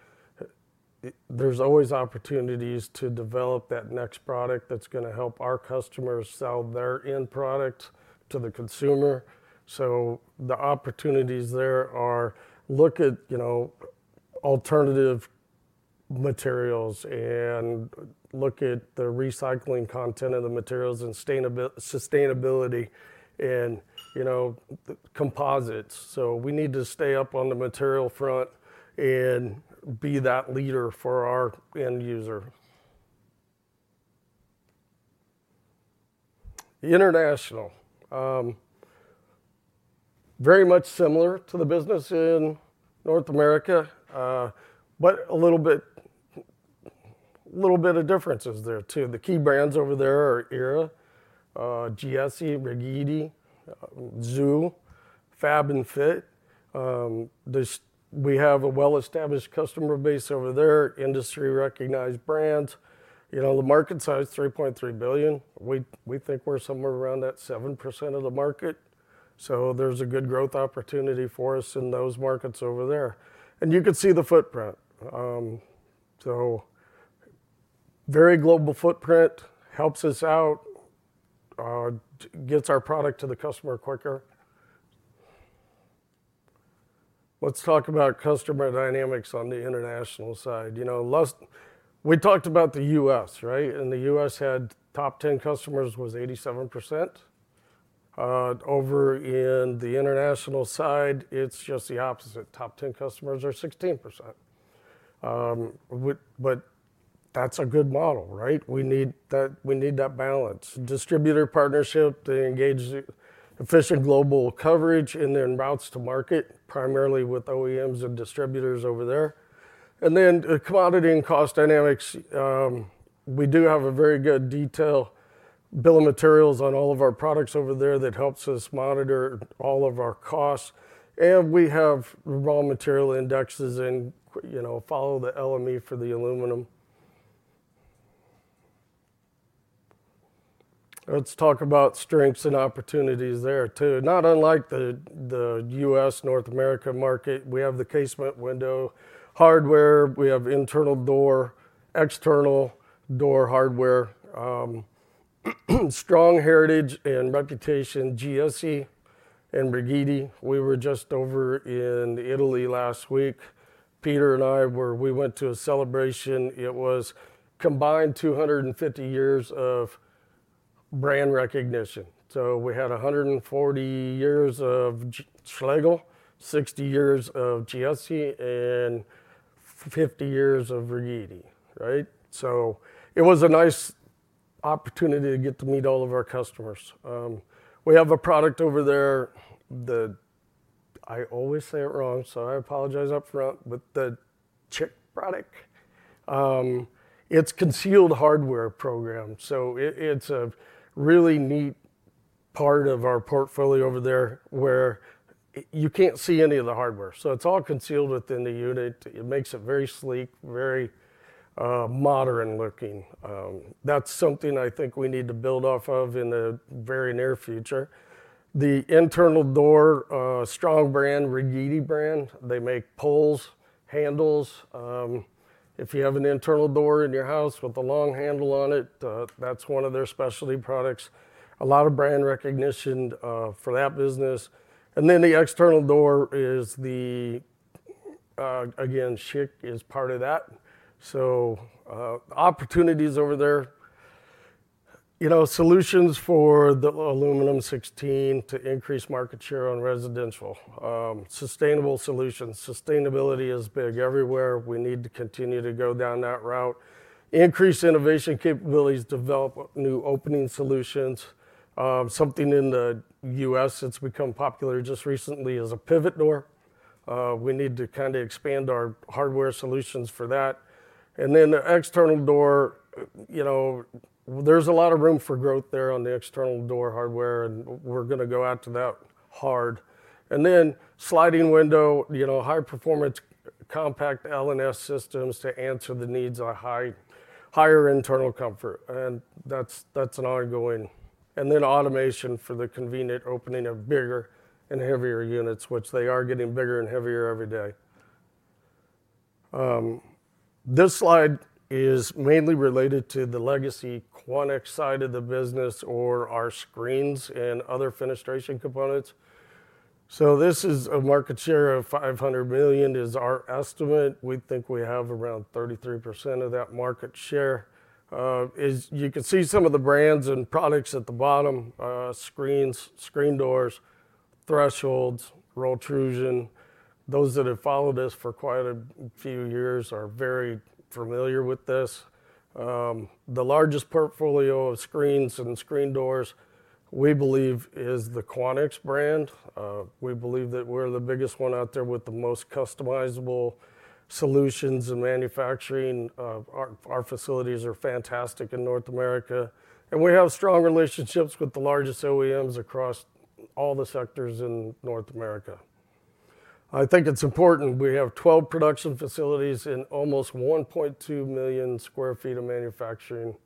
there's always opportunities to develop that next product that's going to help our customers sell their end product to the consumer. So the opportunities there are look at alternative materials and look at the recycling content of the materials and sustainability and composites. So we need to stay up on the material front and be that leader for our end user. International. Very much similar to the business in North America, but a little bit of differences there too. The key brands over there are ERA, Giesse, Reguitti, Zoo, Fab&Fix. We have a well-established customer base over there, industry-recognized brands. The market size is £3.3 billion. We think we're somewhere around that 7% of the market. So there's a good growth opportunity for us in those markets over there. And you can see the footprint. So very global footprint helps us out, gets our product to the customer quicker. Let's talk about customer dynamics on the international side. We talked about the U.S., right? And the U.S. had top 10 customers was 87%. Over in the international side, it's just the opposite. Top 10 customers are 16%. But that's a good model, right? We need that balance. Distributor partnership, they engage efficient global coverage in their routes to market, primarily with OEMs and distributors over there. And then the commodity and cost dynamics, we do have a very good detailed bill of materials on all of our products over there that helps us monitor all of our costs. And we have raw material indexes and follow the LME for the aluminum. Let's talk about strengths and opportunities there too. Not unlike the U.S., North America market, we have the casement window hardware. We have internal door, external door hardware. Strong heritage and reputation, Giesse and Reguitti. We were just over in Italy last week. Peter and I, we went to a celebration. It was combined 250 years of brand recognition. So we had 140 years of Schlegel, 60 years of Giesse, and 50 years of Reguitti, right? So it was a nice opportunity to get to meet all of our customers. We have a product over there that I always say it wrong, so I apologize upfront, but the CHIC product, it's concealed hardware program. So it's a really neat part of our portfolio over there where you can't see any of the hardware. So it's all concealed within the unit. It makes it very sleek, very modern looking. That's something I think we need to build off of in the very near future. The internal door, strong brand, Reguitti brand. They make pulls, handles. If you have an internal door in your house with a long handle on it, that's one of their specialty products. A lot of brand recognition for that business. And then the external door is the, again, Schlegel is part of that. So opportunities over there, solutions for the aluminum segment to increase market share on residential. Sustainable solutions. Sustainability is big everywhere. We need to continue to go down that route. Increase innovation capabilities, develop new opening solutions. Something in the U.S. that's become popular just recently is a pivot door. We need to kind of expand our Hardware Solutions for that. And then the external door, there's a lot of room for growth there on the external door hardware, and we're going to go out to that market. And then sliding window, high-performance compact lift-and-slide systems to answer the needs of higher internal comfort. And that's an ongoing. And then automation for the convenient opening of bigger and heavier units, which they are getting bigger and heavier every day. This slide is mainly related to the legacy Quanex side of the business or our screens and other fenestration components. This is a market share of $500 million. This is our estimate. We think we have around 33% of that market share. You can see some of the brands and products at the bottom, screens, screen doors, thresholds, extrusion. Those that have followed us for quite a few years are very familiar with this. The largest portfolio of screens and screen doors, we believe, is the Quanex brand. We believe that we're the biggest one out there with the most customizable solutions and manufacturing. Our facilities are fantastic in North America. We have strong relationships with the largest OEMs across all the sectors in North America. I think it's important. We have 12 production facilities and almost 1.2 million sq ft of manufacturing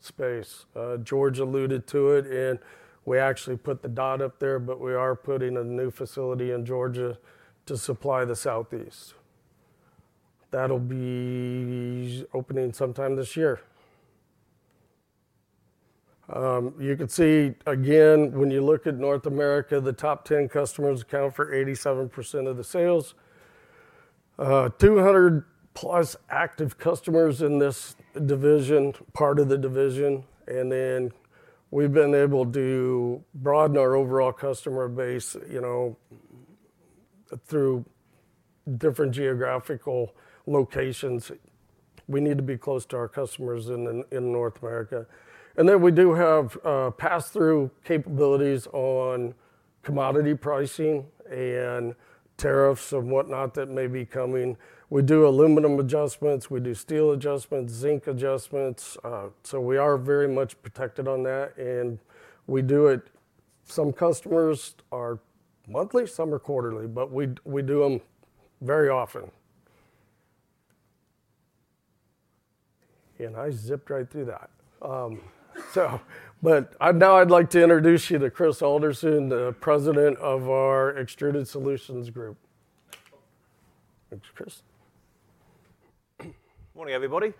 space. George alluded to it, and we actually put the dot up there, but we are putting a new facility in Georgia to supply the Southeast. That'll be opening sometime this year. You can see, again, when you look at North America, the top 10 customers account for 87% of the sales. 200-plus active customers in this division, part of the division. And then we've been able to broaden our overall customer base through different geographical locations. We need to be close to our customers in North America. And then we do have pass-through capabilities on commodity pricing and tariffs and whatnot that may be coming. We do aluminum adjustments. We do steel adjustments, zinc adjustments. So we are very much protected on that. And we do it. Some customers are monthly, some are quarterly, but we do them very often. And I zipped right through that. But now I'd like to introduce you to Chris Alderson, the President of our Extruded Solutions Group. Thanks, Chris. Morning, everybody.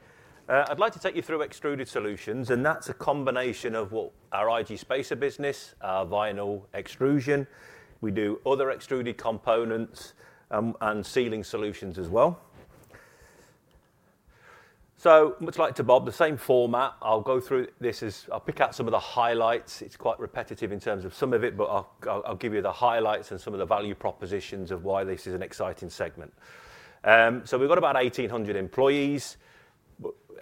I'd like to take you through Extruded Solutions, and that's a combination of our IG spacer business, vinyl extrusion. We do other extruded components and sealing solutions as well. So much like to Bob, the same format. I'll go through this. I'll pick out some of the highlights. It's quite repetitive in terms of some of it, but I'll give you the highlights and some of the value propositions of why this is an exciting segment. So we've got about 1,800 employees.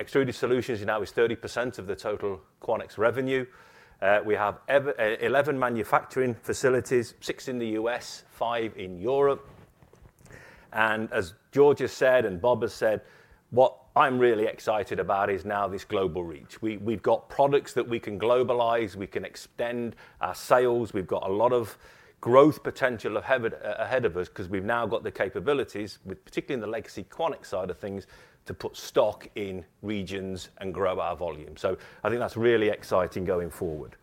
Extruded Solutions now is 30% of the total Quanex revenue. We have 11 manufacturing facilities, six in the U.S., five in Europe. And as George has said and Bob has said, what I'm really excited about is now this global reach. We've got products that we can globalize. We can extend our sales. We've got a lot of growth potential ahead of us because we've now got the capabilities, particularly in the legacy Quanex side of things, to put stock in regions and grow our volume. So I think that's really exciting going forward.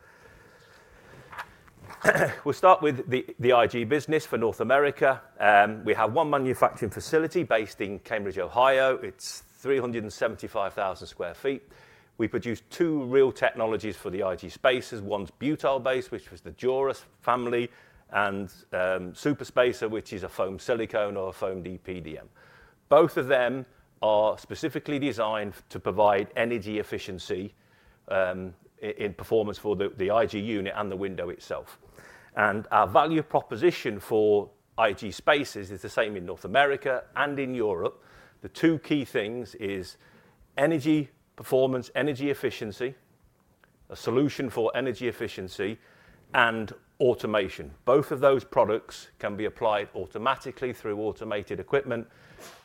We'll start with the IG business for North America. We have one manufacturing facility based in Cambridge, Ohio. It's 375,000 sq ft. We produce two real technologies for the IG spacers. One's butyl-based, which was the Dura family, and Super Spacer, which is a foam silicone or a foam EPDM. Both of them are specifically designed to provide energy efficiency in performance for the IG unit and the window itself, and our value proposition for IG spacers is the same in North America and in Europe. The two key things are energy performance, energy efficiency, a solution for energy efficiency, and automation. Both of those products can be applied automatically through automated equipment,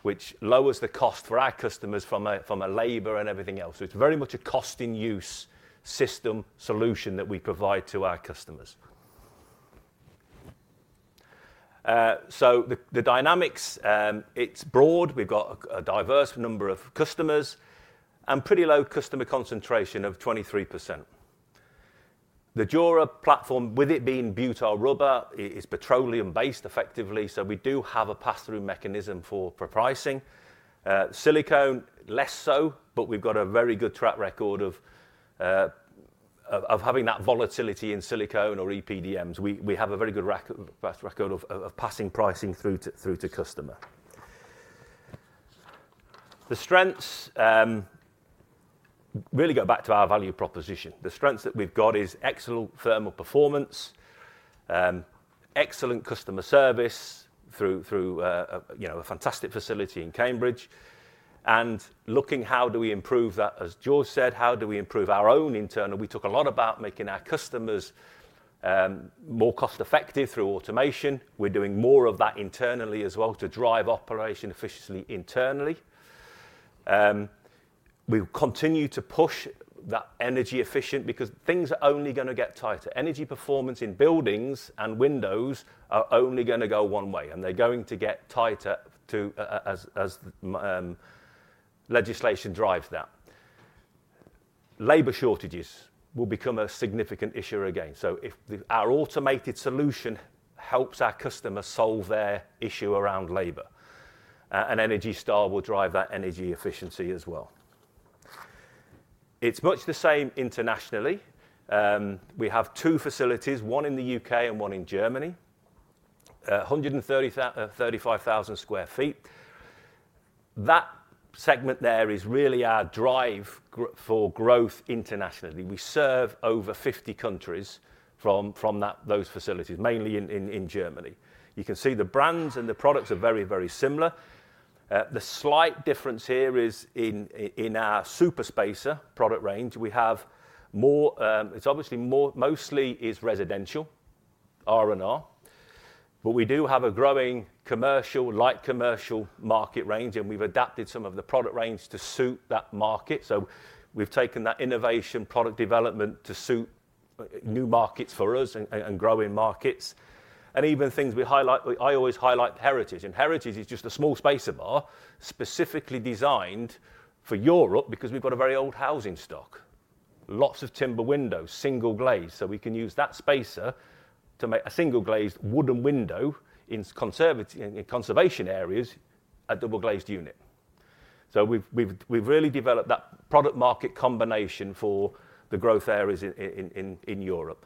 which lowers the cost for our customers from a labor and everything else. So it's very much a cost-in-use system solution that we provide to our customers. So the dynamics, it's broad. We've got a diverse number of customers and pretty low customer concentration of 23%. The Dura platform, with it being butyl rubber, is petroleum-based effectively. So we do have a pass-through mechanism for pricing. Silicone, less so, but we've got a very good track record of having that volatility in silicone or EPDMs. We have a very good record of passing pricing through to customer. The strengths really go back to our value proposition. The strengths that we've got are excellent thermal performance, excellent customer service through a fantastic facility in Cambridge, and looking at how do we improve that, as George said, how do we improve our own internal. We talk a lot about making our customers more cost-effective through automation. We're doing more of that internally as well to drive operational efficiency internally. We will continue to push that energy efficiency because things are only going to get tighter. Energy performance in buildings and windows are only going to go one way, and they're going to get tighter as legislation drives that. Labor shortages will become a significant issue again. So if our automated solution helps our customers solve their issue around labor, an Energy Star will drive that energy efficiency as well. It's much the same internationally. We have two facilities, one in the UK and one in Germany, 135,000 sq ft. That segment there is really our drive for growth internationally. We serve over 50 countries from those facilities, mainly in Germany. You can see the brands and the products are very, very similar. The slight difference here is in our Super Spacer product range. It's obviously mostly residential, R&R. But we do have a growing commercial, light commercial market range, and we've adapted some of the product range to suit that market. We've taken that innovation product development to suit new markets for us and growing markets. Even things we highlight, I always highlight Heritage. Heritage is just a small spacer bar specifically designed for Europe because we've got a very old housing stock, lots of timber windows, single glaze. So we can use that spacer to make a single glazed wooden window in conservation areas a double glazed unit. We've really developed that product-market combination for the growth areas in Europe.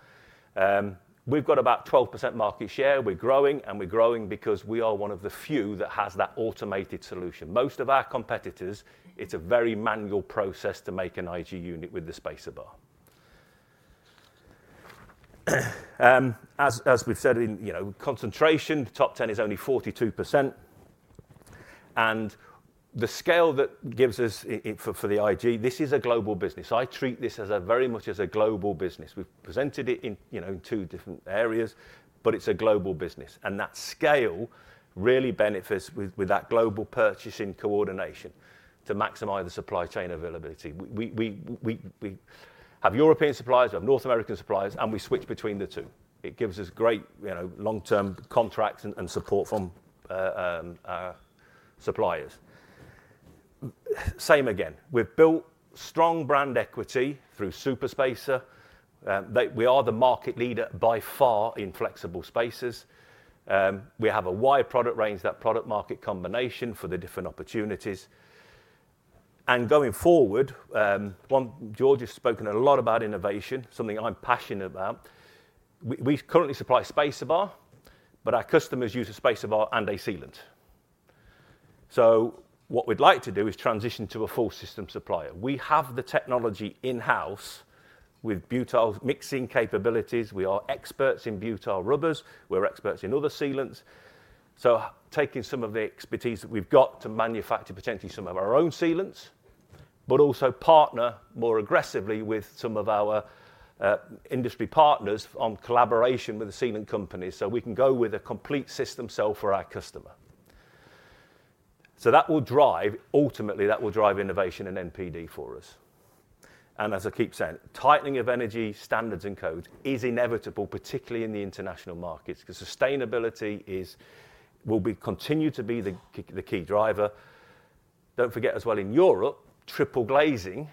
We've got about 12% market share. We're growing, and we're growing because we are one of the few that has that automated solution. Most of our competitors, it's a very manual process to make an IG unit with the spacer bar. As we've said, concentration, top 10 is only 42%. The scale that gives us for the IG, this is a global business. I treat this very much as a global business. We've presented it in two different areas, but it's a global business. That scale really benefits with that global purchasing coordination to maximize the supply chain availability. We have European suppliers, we have North American suppliers, and we switch between the two. It gives us great long-term contracts and support from our suppliers. Same again. We've built strong brand equity through Super Spacer. We are the market leader by far in flexible spacers. We have a wide product range, that product-market combination for the different opportunities. And going forward, George has spoken a lot about innovation, something I'm passionate about. We currently supply spacer bar, but our customers use a spacer bar and a sealant. So what we'd like to do is transition to a full system supplier. We have the technology in-house with butyl mixing capabilities. We are experts in butyl rubbers. We're experts in other sealants. So, taking some of the expertise that we've got to manufacture potentially some of our own sealants, but also partner more aggressively with some of our industry partners on collaboration with the sealant companies so we can go with a complete system sell for our customer. So that will drive, ultimately, that will drive innovation and NPD for us. And as I keep saying, tightening of energy standards and codes is inevitable, particularly in the international markets because sustainability will continue to be the key driver. Don't forget as well in Europe, triple glazing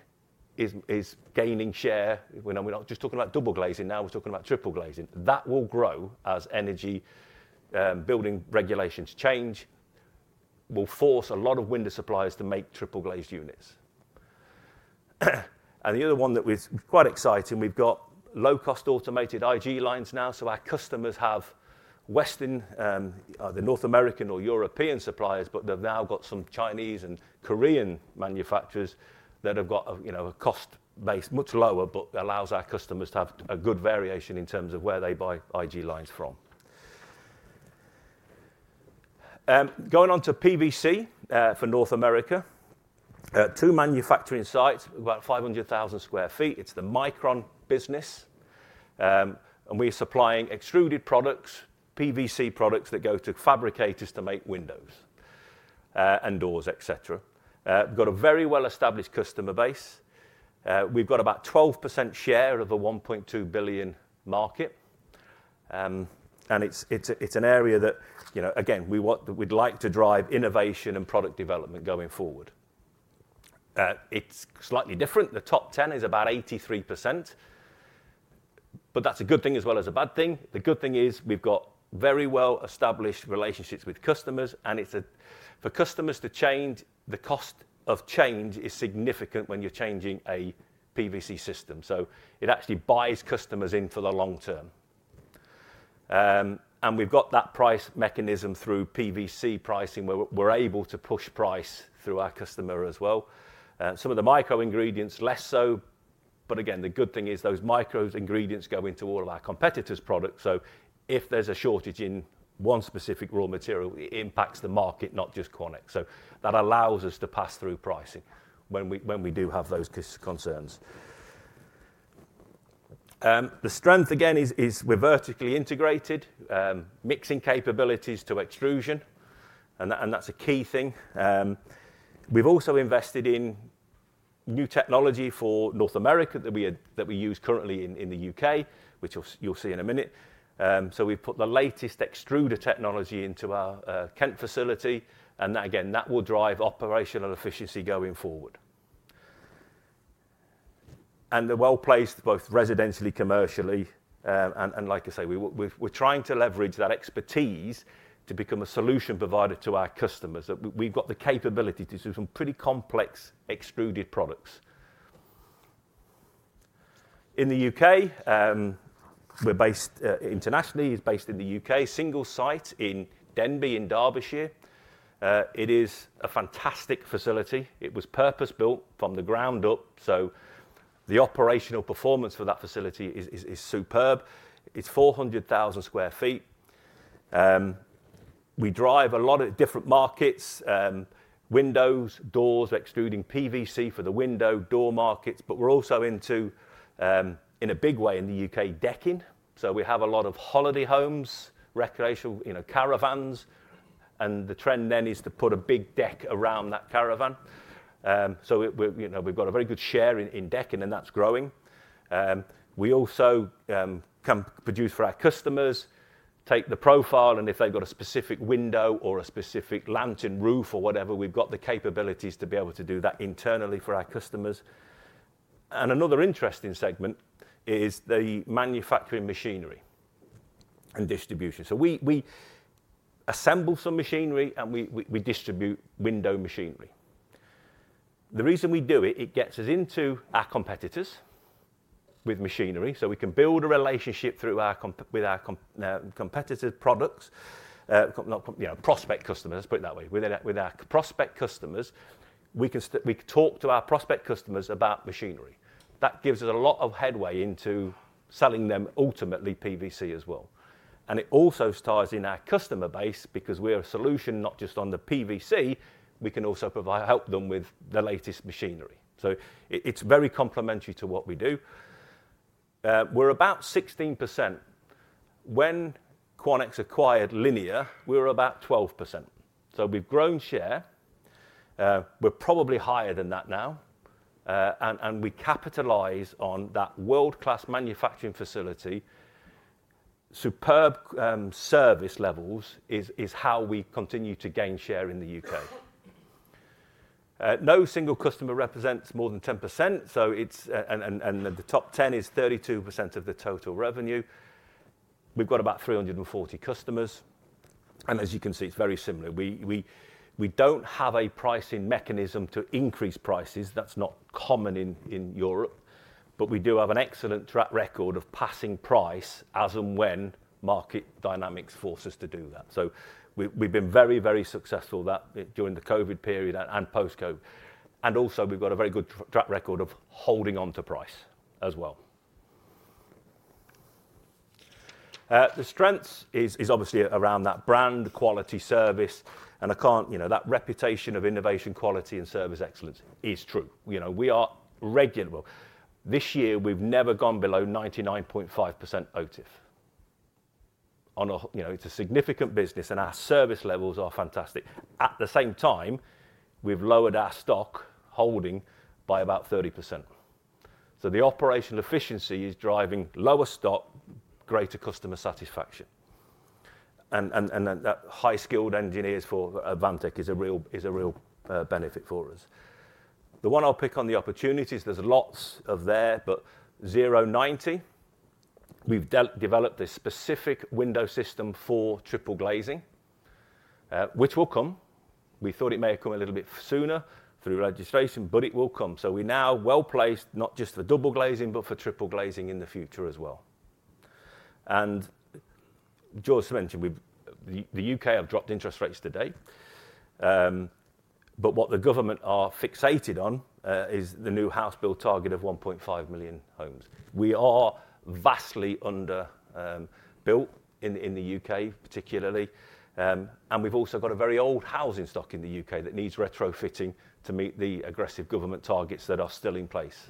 is gaining share. We're not just talking about double glazing now. We're talking about triple glazing. That will grow as energy building regulations change. We'll force a lot of window suppliers to make triple glazed units. And the other one that was quite exciting, we've got low-cost automated IG lines now. Our customers have Western, the North American or European suppliers, but they've now got some Chinese and Korean manufacturers that have got a cost base much lower, but allows our customers to have a good variation in terms of where they buy IG lines from. Going on to PVC for North America. Two manufacturing sites, about 500,000 sq ft. It's the Mikron business. And we're supplying extruded products, PVC products that go to fabricators to make windows and doors, etc. We've got a very well-established customer base. We've got about 12% share of the $1.2 billion market. And it's an area that, again, we'd like to drive innovation and product development going forward. It's slightly different. The top 10 is about 83%. But that's a good thing as well as a bad thing. The good thing is we've got very well-established relationships with customers. And for customers to change, the cost of change is significant when you're changing a PVC system. So it actually buys customers in for the long term. And we've got that price mechanism through PVC pricing where we're able to push price through our customer as well. Some of the micro ingredients, less so. But again, the good thing is those micro ingredients go into all of our competitors' products. So if there's a shortage in one specific raw material, it impacts the market, not just Quanex. So that allows us to pass through pricing when we do have those concerns. The strength, again, is we're vertically integrated, mixing capabilities to extrusion. And that's a key thing. We've also invested in new technology for North America that we use currently in the UK, which you'll see in a minute. So we've put the latest extruder technology into our Kent facility. Again, that will drive operational efficiency going forward. They're well-placed both residentially, commercially. Like I say, we're trying to leverage that expertise to become a solution provider to our customers. We've got the capability to do some pretty complex extruded products. In the UK, we're based internationally, single site in Denby in Derbyshire. It is a fantastic facility. It was purpose-built from the ground up. The operational performance for that facility is superb. It's 400,000 sq ft. We drive a lot of different markets, windows, doors, extruding PVC for the window door markets. But we're also into, in a big way in the UK, decking. We have a lot of holiday homes, recreational caravans. The trend then is to put a big deck around that caravan. We've got a very good share in decking, and that's growing. We also produce for our customers, take the profile, and if they've got a specific window or a specific lantern roof or whatever, we've got the capabilities to be able to do that internally for our customers, and another interesting segment is the manufacturing machinery and distribution. We assemble some machinery, and we distribute window machinery. The reason we do it, it gets us into our competitors with machinery. We can build a relationship with our competitors' products, prospective customers, let's put it that way. With our prospective customers, we talk to our prospective customers about machinery. That gives us a lot of headway into selling them ultimately PVC as well. It also ties in our customer base because we're a solution not just on the PVC, we can also help them with the latest machinery. It's very complementary to what we do. We're about 16%. When Quanex acquired Liniar, we were about 12%, so we've grown share. We're probably higher than that now, and we capitalize on that world-class manufacturing facility. Superb service levels is how we continue to gain share in the UK. No single customer represents more than 10%, and the top 10 is 32% of the total revenue. We've got about 340 customers, and as you can see, it's very similar. We don't have a pricing mechanism to increase prices. That's not common in Europe, but we do have an excellent track record of passing price as and when market dynamics force us to do that, so we've been very, very successful during the COVID period and post-COVID, and also, we've got a very good track record of holding on to price as well. The strength is obviously around that brand quality service. That reputation of innovation, quality, and service excellence is true. We are regular. This year, we've never gone below 99.5% OTIF. It's a significant business, and our service levels are fantastic. At the same time, we've lowered our stock holding by about 30%. So the operational efficiency is driving lower stock, greater customer satisfaction. That high-skilled engineers for Avantek is a real benefit for us. The one I'll pick on the opportunities, there's lots there, but Liniar, we've developed a specific window system for triple glazing, which will come. We thought it may have come a little bit sooner through registration, but it will come. So we're now well-placed, not just for double glazing, but for triple glazing in the future as well. George mentioned, the UK have dropped interest rates today. What the government is fixated on is the new house build target of 1.5 million homes. We are vastly underbuilt in the U.K., particularly. We have also got a very old housing stock in the U.K. that needs retrofitting to meet the aggressive government targets that are still in place.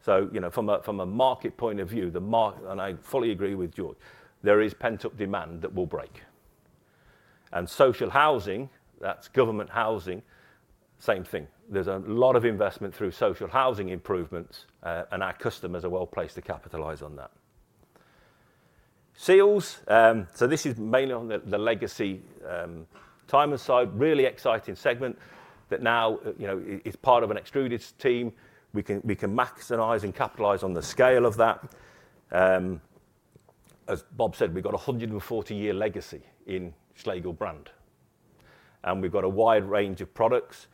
From a market point of view, I fully agree with George. There is pent-up demand that will break. Social housing, that is government housing, same thing. There is a lot of investment through social housing improvements, and our customers are well-placed to capitalize on that. Seals, this is mainly on the legacy Tyman side, really exciting segment that now is part of an extruded team. We can maximize and capitalize on the scale of that. As Bob said, we have got a 140-year legacy in Schlegel brand. We have got a wide range of products.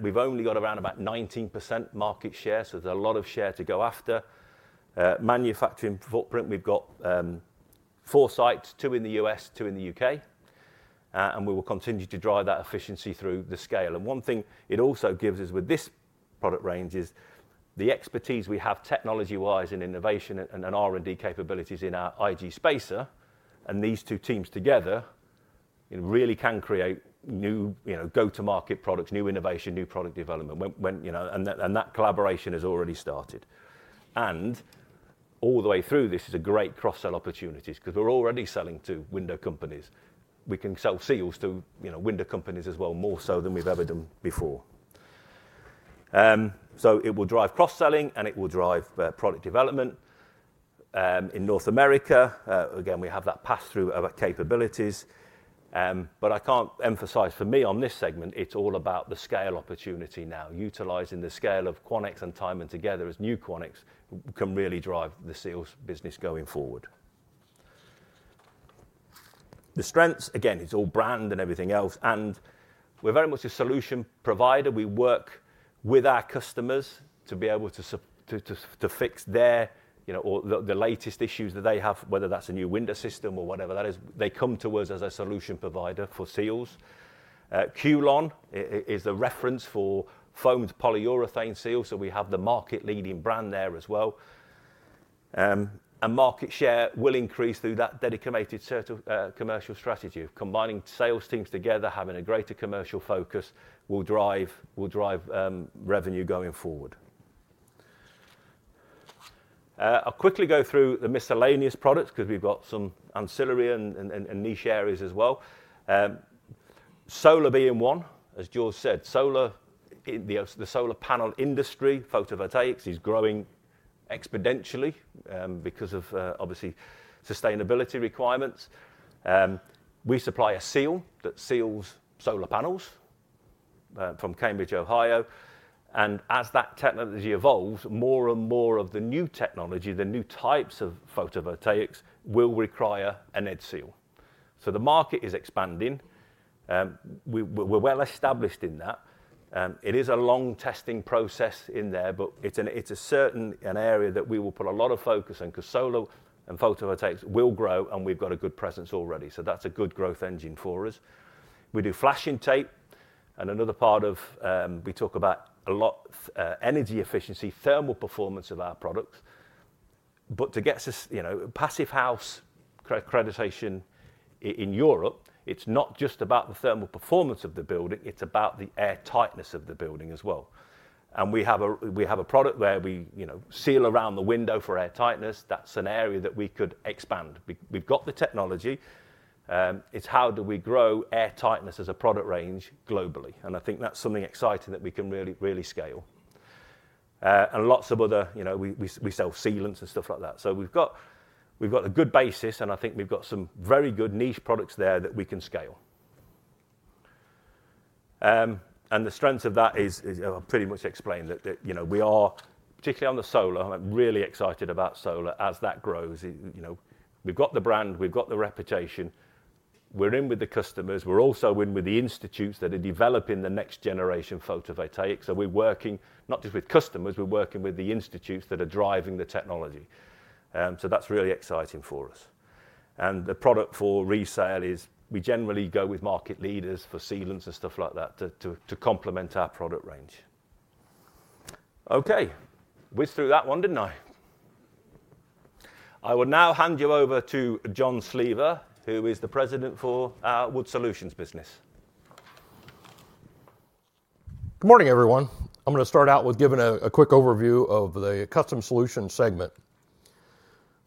We've only got around about 19% market share, so there's a lot of share to go after. Manufacturing footprint, we've got four sites, two in the U.S., two in the U.K. And we will continue to drive that efficiency through the scale. And one thing it also gives us with this product range is the expertise we have technology-wise in innovation and R&D capabilities in our IG spacer. And these two teams together really can create new go-to-market products, new innovation, new product development. And that collaboration has already started. And all the way through, this is a great cross-sell opportunity because we're already selling to window companies. We can sell seals to window companies as well, more so than we've ever done before. So it will drive cross-selling, and it will drive product development. In North America, again, we have that pass-through of our capabilities. But I can't emphasize for me on this segment, it's all about the scale opportunity now, utilizing the scale of Quanex and Tyman together as new Quanex can really drive the seals business going forward. The strengths, again, it's all brand and everything else, and we're very much a solution provider. We work with our customers to be able to fix the latest issues that they have, whether that's a new window system or whatever that is. They come to us as a solution provider for seals. Q-Lon is a reference for foamed polyurethane seals. So we have the market-leading brand there as well, and market share will increase through that dedicated commercial strategy. Combining sales teams together, having a greater commercial focus will drive revenue going forward. I'll quickly go through the miscellaneous products because we've got some ancillary and niche areas as well. Solar being one, as George said, the solar panel industry, photovoltaics, is growing exponentially because of, obviously, sustainability requirements. We supply a seal that seals solar panels from Cambridge, Ohio. And as that technology evolves, more and more of the new technology, the new types of photovoltaics will require an edge seal, so the market is expanding. We're well established in that. It is a long testing process in there, but it's a certain area that we will put a lot of focus on because solar and photovoltaics will grow, and we've got a good presence already, so that's a good growth engine for us. We do flashing tape, and another part of we talk about a lot energy efficiency, thermal performance of our products, but to get Passive House accreditation in Europe, it's not just about the thermal performance of the building. It's about the air tightness of the building as well, and we have a product where we seal around the window for air tightness. That's an area that we could expand. We've got the technology. It's how do we grow air tightness as a product range globally, and I think that's something exciting that we can really scale, and lots of other we sell sealants and stuff like that. So we've got a good basis, and I think we've got some very good niche products there that we can scale, and the strength of that is I'll pretty much explain that we are, particularly on the solar. I'm really excited about solar as that grows. We've got the brand, we've got the reputation. We're in with the customers. We're also in with the institutes that are developing the next generation photovoltaics. So we're working not just with customers, we're working with the institutes that are driving the technology. So that's really exciting for us. And the product for resale is we generally go with market leaders for sealants and stuff like that to complement our product range. Okay. Whiz through that one, didn't I? I will now hand you over to John Sleva, who is the President for our Wood Solutions business. Good morning, everyone. I'm going to start out with giving a quick overview of the Custom Solutions segment.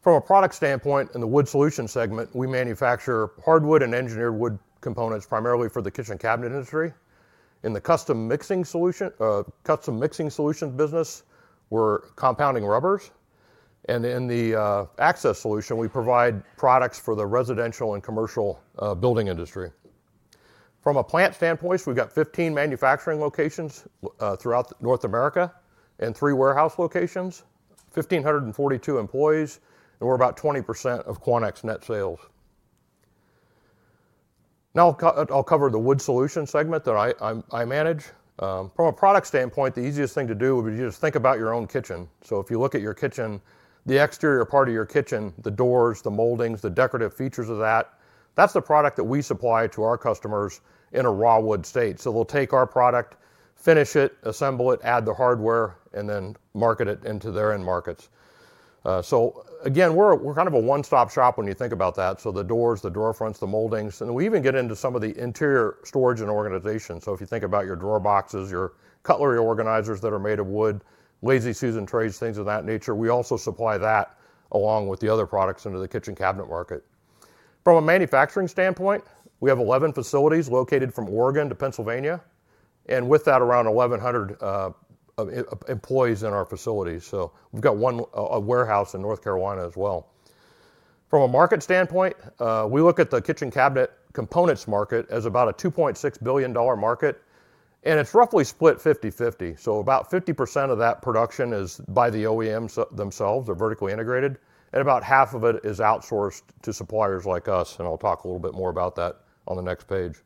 From a product standpoint, in the Wood Solutions segment, we manufacture hardwood and engineered wood components primarily for the kitchen cabinet industry. In the Custom Mixing Solutions business, we're compounding rubbers. And in the access solution, we provide products for the residential and commercial building industry. From a plant standpoint, we've got 15 manufacturing locations throughout North America and three warehouse locations, 1,542 employees, and we're about 20% of Quanex net sales. Now, I'll cover the Wood Solutions segment that I manage. From a product standpoint, the easiest thing to do would be to just think about your own kitchen. So if you look at your kitchen, the exterior part of your kitchen, the doors, the moldings, the decorative features of that, that's the product that we supply to our customers in a raw wood state. So they'll take our product, finish it, assemble it, add the hardware, and then market it into their end markets. So again, we're kind of a one-stop shop when you think about that. So the doors, the door fronts, the moldings, and we even get into some of the interior storage and organization. So if you think about your drawer boxes, your cutlery organizers that are made of wood, lazy Susan trays, things of that nature, we also supply that along with the other products into the kitchen cabinet market. From a manufacturing standpoint, we have 11 facilities located from Oregon to Pennsylvania, and with that, around 1,100 employees in our facilities. So we've got one warehouse in North Carolina as well. From a market standpoint, we look at the kitchen cabinet components market as about a $2.6 billion market. And it's roughly split 50/50. So about 50% of that production is by the OEMs themselves, they're vertically integrated, and about half of it is outsourced to suppliers like us. And I'll talk a little bit more about that on the next page.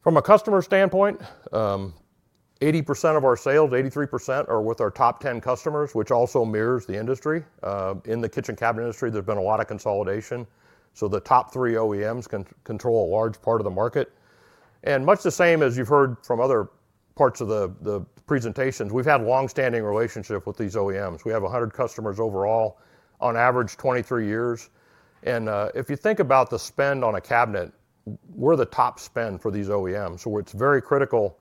From a customer standpoint, 80% of our sales, 83%, are with our top 10 customers, which also mirrors the industry. In the kitchen cabinet industry, there's been a lot of consolidation. So the top three OEMs control a large part of the market. And much the same as you've heard from other parts of the presentations, we've had a long-standing relationship with these OEMs. We have 100 customers overall, on average 23 years. And if you think about the spend on a cabinet, we're the top spend for these OEMs. So it's very critical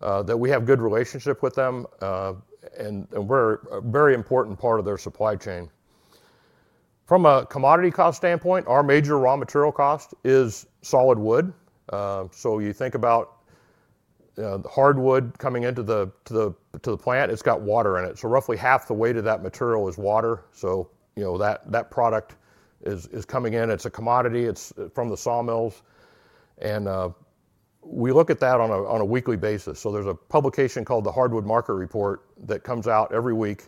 that we have a good relationship with them, and we're a very important part of their supply chain. From a commodity cost standpoint, our major raw material cost is solid wood. So you think about hardwood coming into the plant, it's got water in it. So roughly half the weight of that material is water. So that product is coming in. It's a commodity. It's from the sawmills. And we look at that on a weekly basis. So there's a publication called the Hardwood Market Report that comes out every week.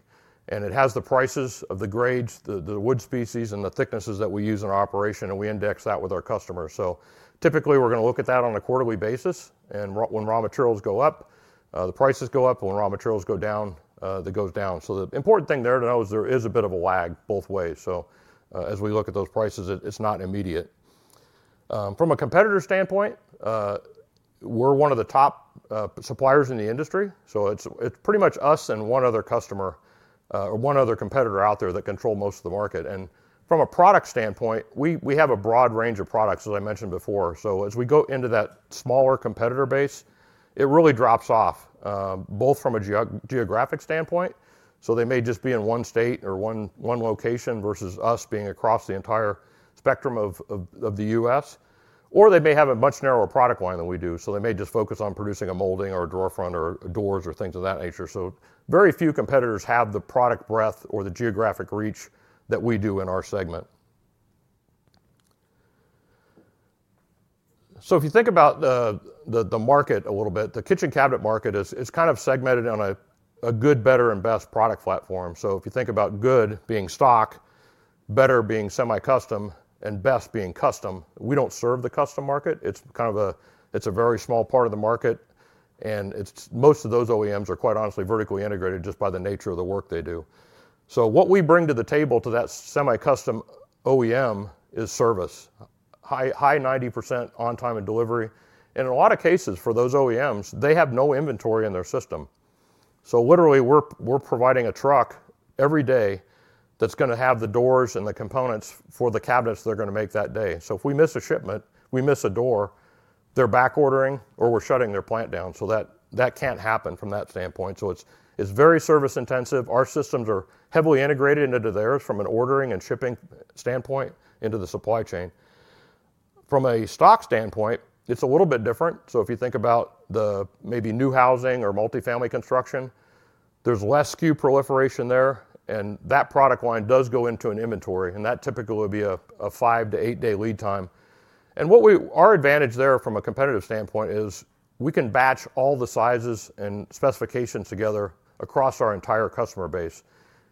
And it has the prices of the grades, the wood species, and the thicknesses that we use in our operation. And we index that with our customers. So typically, we're going to look at that on a quarterly basis. And when raw materials go up, the prices go up. When raw materials go down, that goes down. So the important thing there to know is there is a bit of a lag both ways. So as we look at those prices, it's not immediate. From a competitor standpoint, we're one of the top suppliers in the industry. So it's pretty much us and one other customer or one other competitor out there that controls most of the market. And from a product standpoint, we have a broad range of products, as I mentioned before. So as we go into that smaller competitor base, it really drops off both from a geographic standpoint. So they may just be in one state or one location versus us being across the entire spectrum of the U.S. Or they may have a much narrower product line than we do. So they may just focus on producing a molding or a drawer front or doors or things of that nature. So very few competitors have the product breadth or the geographic reach that we do in our segment. So if you think about the market a little bit, the kitchen cabinet market is kind of segmented on a good, better, and best product platform. So if you think about good being stock, better being semi-custom, and best being custom, we don't serve the custom market. It's kind of a very small part of the market. And most of those OEMs are quite honestly vertically integrated just by the nature of the work they do. So what we bring to the table to that semi-custom OEM is service, high 90% on-time in delivery. And in a lot of cases for those OEMs, they have no inventory in their system. So literally, we're providing a truck every day that's going to have the doors and the components for the cabinets they're going to make that day. So if we miss a shipment, we miss a door, they're backordering, or we're shutting their plant down. So that can't happen from that standpoint. So it's very service-intensive. Our systems are heavily integrated into theirs from an ordering and shipping standpoint into the supply chain. From a stock standpoint, it's a little bit different. So if you think about the maybe new housing or multifamily construction, there's less SKU proliferation there. And that product line does go into an inventory. And that typically will be a five-to-eight-day lead time. And our advantage there from a competitive standpoint is we can batch all the sizes and specifications together across our entire customer base.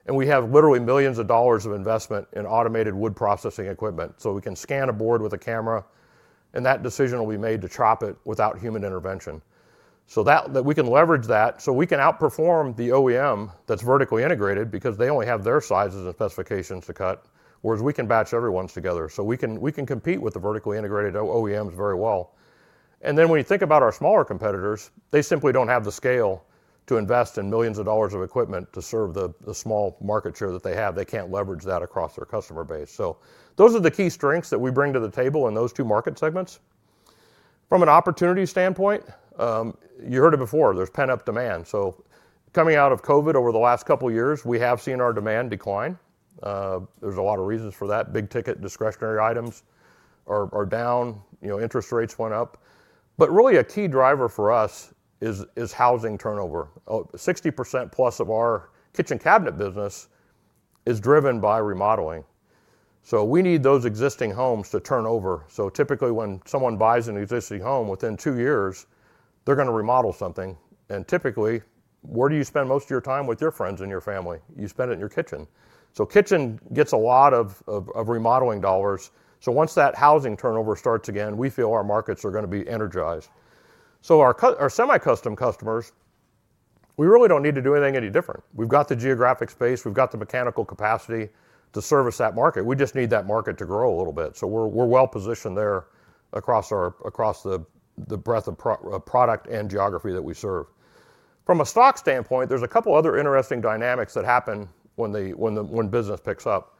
And we have literally millions of dollars of investment in automated wood processing equipment. So we can scan a board with a camera, and that decision will be made to chop it without human intervention. So we can leverage that. So we can outperform the OEM that's vertically integrated because they only have their sizes and specifications to cut. Whereas we can batch everyone's together. So we can compete with the vertically integrated OEMs very well. And then when you think about our smaller competitors, they simply don't have the scale to invest in millions of dollars of equipment to serve the small market share that they have. They can't leverage that across their customer base. So those are the key strengths that we bring to the table in those two market segments. From an opportunity standpoint, you heard it before. There's pent-up demand. So coming out of COVID over the last couple of years, we have seen our demand decline. There's a lot of reasons for that. Big-ticket discretionary items are down. Interest rates went up. But really, a key driver for us is housing turnover. 60% plus of our kitchen cabinet business is driven by remodeling. So we need those existing homes to turn over. Typically, when someone buys an existing home, within two years, they're going to remodel something. Typically, where do you spend most of your time with your friends and your family? You spend it in your kitchen. Kitchen gets a lot of remodeling dollars. Once that housing turnover starts again, we feel our markets are going to be energized. Our semi-custom customers, we really don't need to do anything any different. We've got the geographic space. We've got the mechanical capacity to service that market. We just need that market to grow a little bit. We're well positioned there across the breadth of product and geography that we serve. From a stock standpoint, there's a couple of other interesting dynamics that happen when business picks up.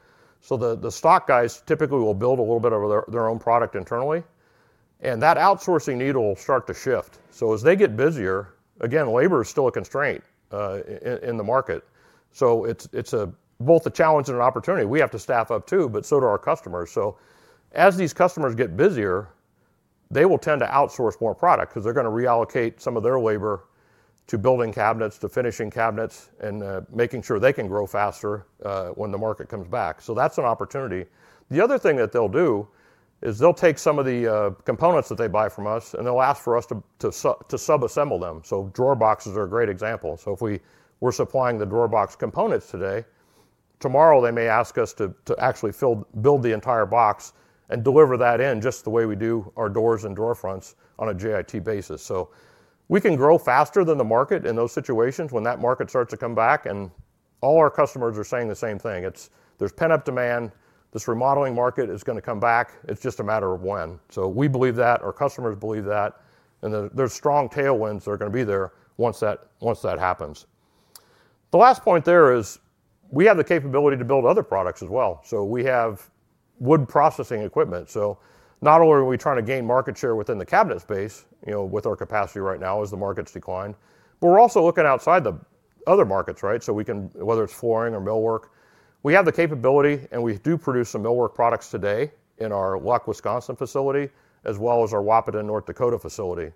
The stock guys typically will build a little bit of their own product internally. And that outsourcing needle will start to shift. So as they get busier, again, labor is still a constraint in the market. So it's both a challenge and an opportunity. We have to staff up too, but so do our customers. So as these customers get busier, they will tend to outsource more product because they're going to reallocate some of their labor to building cabinets, to finishing cabinets, and making sure they can grow faster when the market comes back. So that's an opportunity. The other thing that they'll do is they'll take some of the components that they buy from us, and they'll ask for us to subassemble them. So drawer boxes are a great example. So if we're supplying the drawer box components today, tomorrow they may ask us to actually build the entire box and deliver that in just the way we do our doors and drawer fronts on a JIT basis. So we can grow faster than the market in those situations when that market starts to come back. And all our customers are saying the same thing. There's pent-up demand. This remodeling market is going to come back. It's just a matter of when. So we believe that. Our customers believe that. And there's strong tailwinds that are going to be there once that happens. The last point there is we have the capability to build other products as well. So we have wood processing equipment. So not only are we trying to gain market share within the cabinet space with our capacity right now as the market's declined, but we're also looking outside the other markets, right? So whether it's flooring or millwork, we have the capability, and we do produce some millwork products today in our Luck, Wisconsin facility, as well as our Wahpeton, North Dakota facility.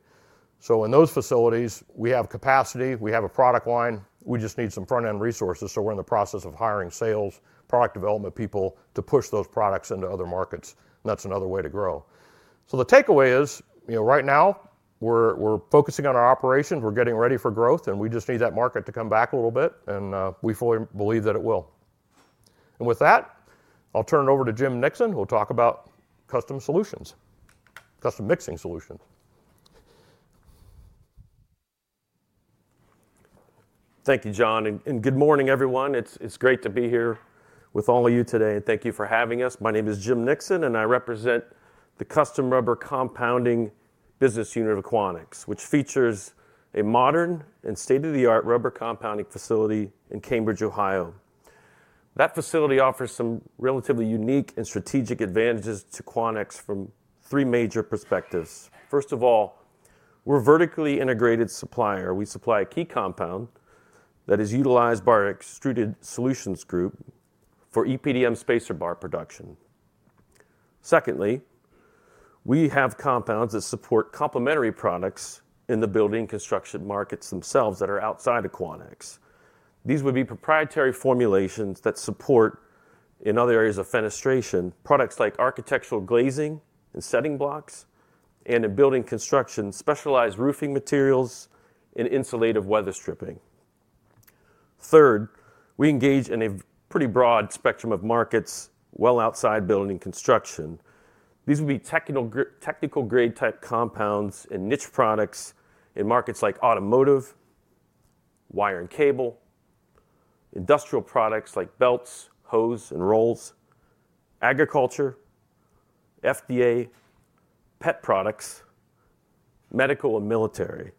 So in those facilities, we have capacity. We have a product line. We just need some front-end resources. So we're in the process of hiring sales, product development people to push those products into other markets. And that's another way to grow. So the takeaway is right now, we're focusing on our operations. We're getting ready for growth. And we just need that market to come back a little bit. And we fully believe that it will. And with that, I'll turn it over to Jim Nixon. We'll talk about Custom Solutions, Custom Mixing Solutions. Thank you, John, and good morning, everyone. It's great to be here with all of you today, and thank you for having us. My name is Jim Nixon, and I represent the Custom Rubber Compounding Business Unit of Quanex, which features a modern and state-of-the-art rubber compounding facility in Cambridge, Ohio. That facility offers some relatively unique and strategic advantages to Quanex from three major perspectives. First of all, we're a vertically integrated supplier. We supply a key compound that is utilized by our Extruded Solutions group for EPDM spacer bar production. Secondly, we have compounds that support complementary products in the building construction markets themselves that are outside of Quanex. These would be proprietary formulations that support, in other areas of fenestration, products like architectural glazing and setting blocks, and in building construction, specialized roofing materials and insulative weather stripping. Third, we engage in a pretty broad spectrum of markets well outside building construction. These would be technical-grade type compounds and niche products in markets like automotive, wire and cable, industrial products like belts, hose, and rolls, agriculture, FDA, pet products, medical, and military.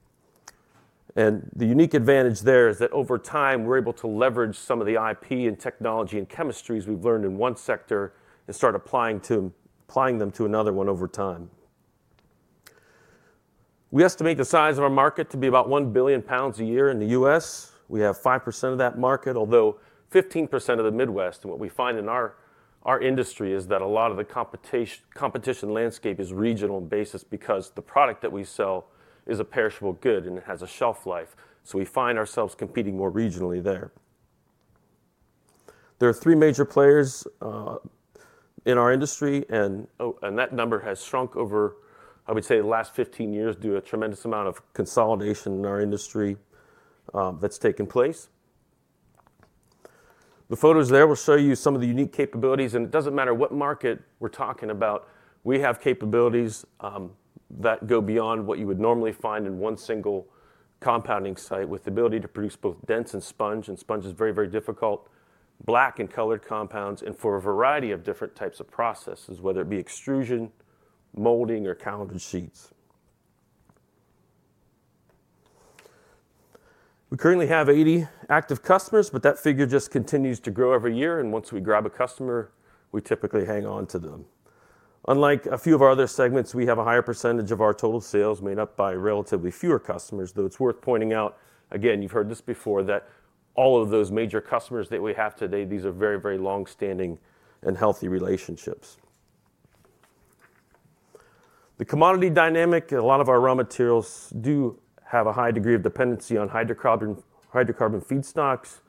And the unique advantage there is that over time, we're able to leverage some of the IP and technology and chemistries we've learned in one sector and start applying them to another one over time. We estimate the size of our market to be about 1 billion pounds a year in the U.S. We have 5% of that market, although 15% of the Midwest. And what we find in our industry is that a lot of the competition landscape is regional basis because the product that we sell is a perishable good and it has a shelf life. So we find ourselves competing more regionally there. There are three major players in our industry. That number has shrunk over, I would say, the last 15 years due to a tremendous amount of consolidation in our industry that's taken place. The photos there will show you some of the unique capabilities. It doesn't matter what market we're talking about. We have capabilities that go beyond what you would normally find in one single compounding site with the ability to produce both dense and sponge. Sponge is very, very difficult. Black and colored compounds and for a variety of different types of processes, whether it be extrusion, molding, or calender sheets. We currently have 80 active customers, but that figure just continues to grow every year. Once we grab a customer, we typically hang on to them. Unlike a few of our other segments, we have a higher percentage of our total sales made up by relatively fewer customers. Though it's worth pointing out, again, you've heard this before, that all of those major customers that we have today, these are very, very long-standing and healthy relationships. The commodity dynamic, a lot of our raw materials do have a high degree of dependency on hydrocarbon feedstocks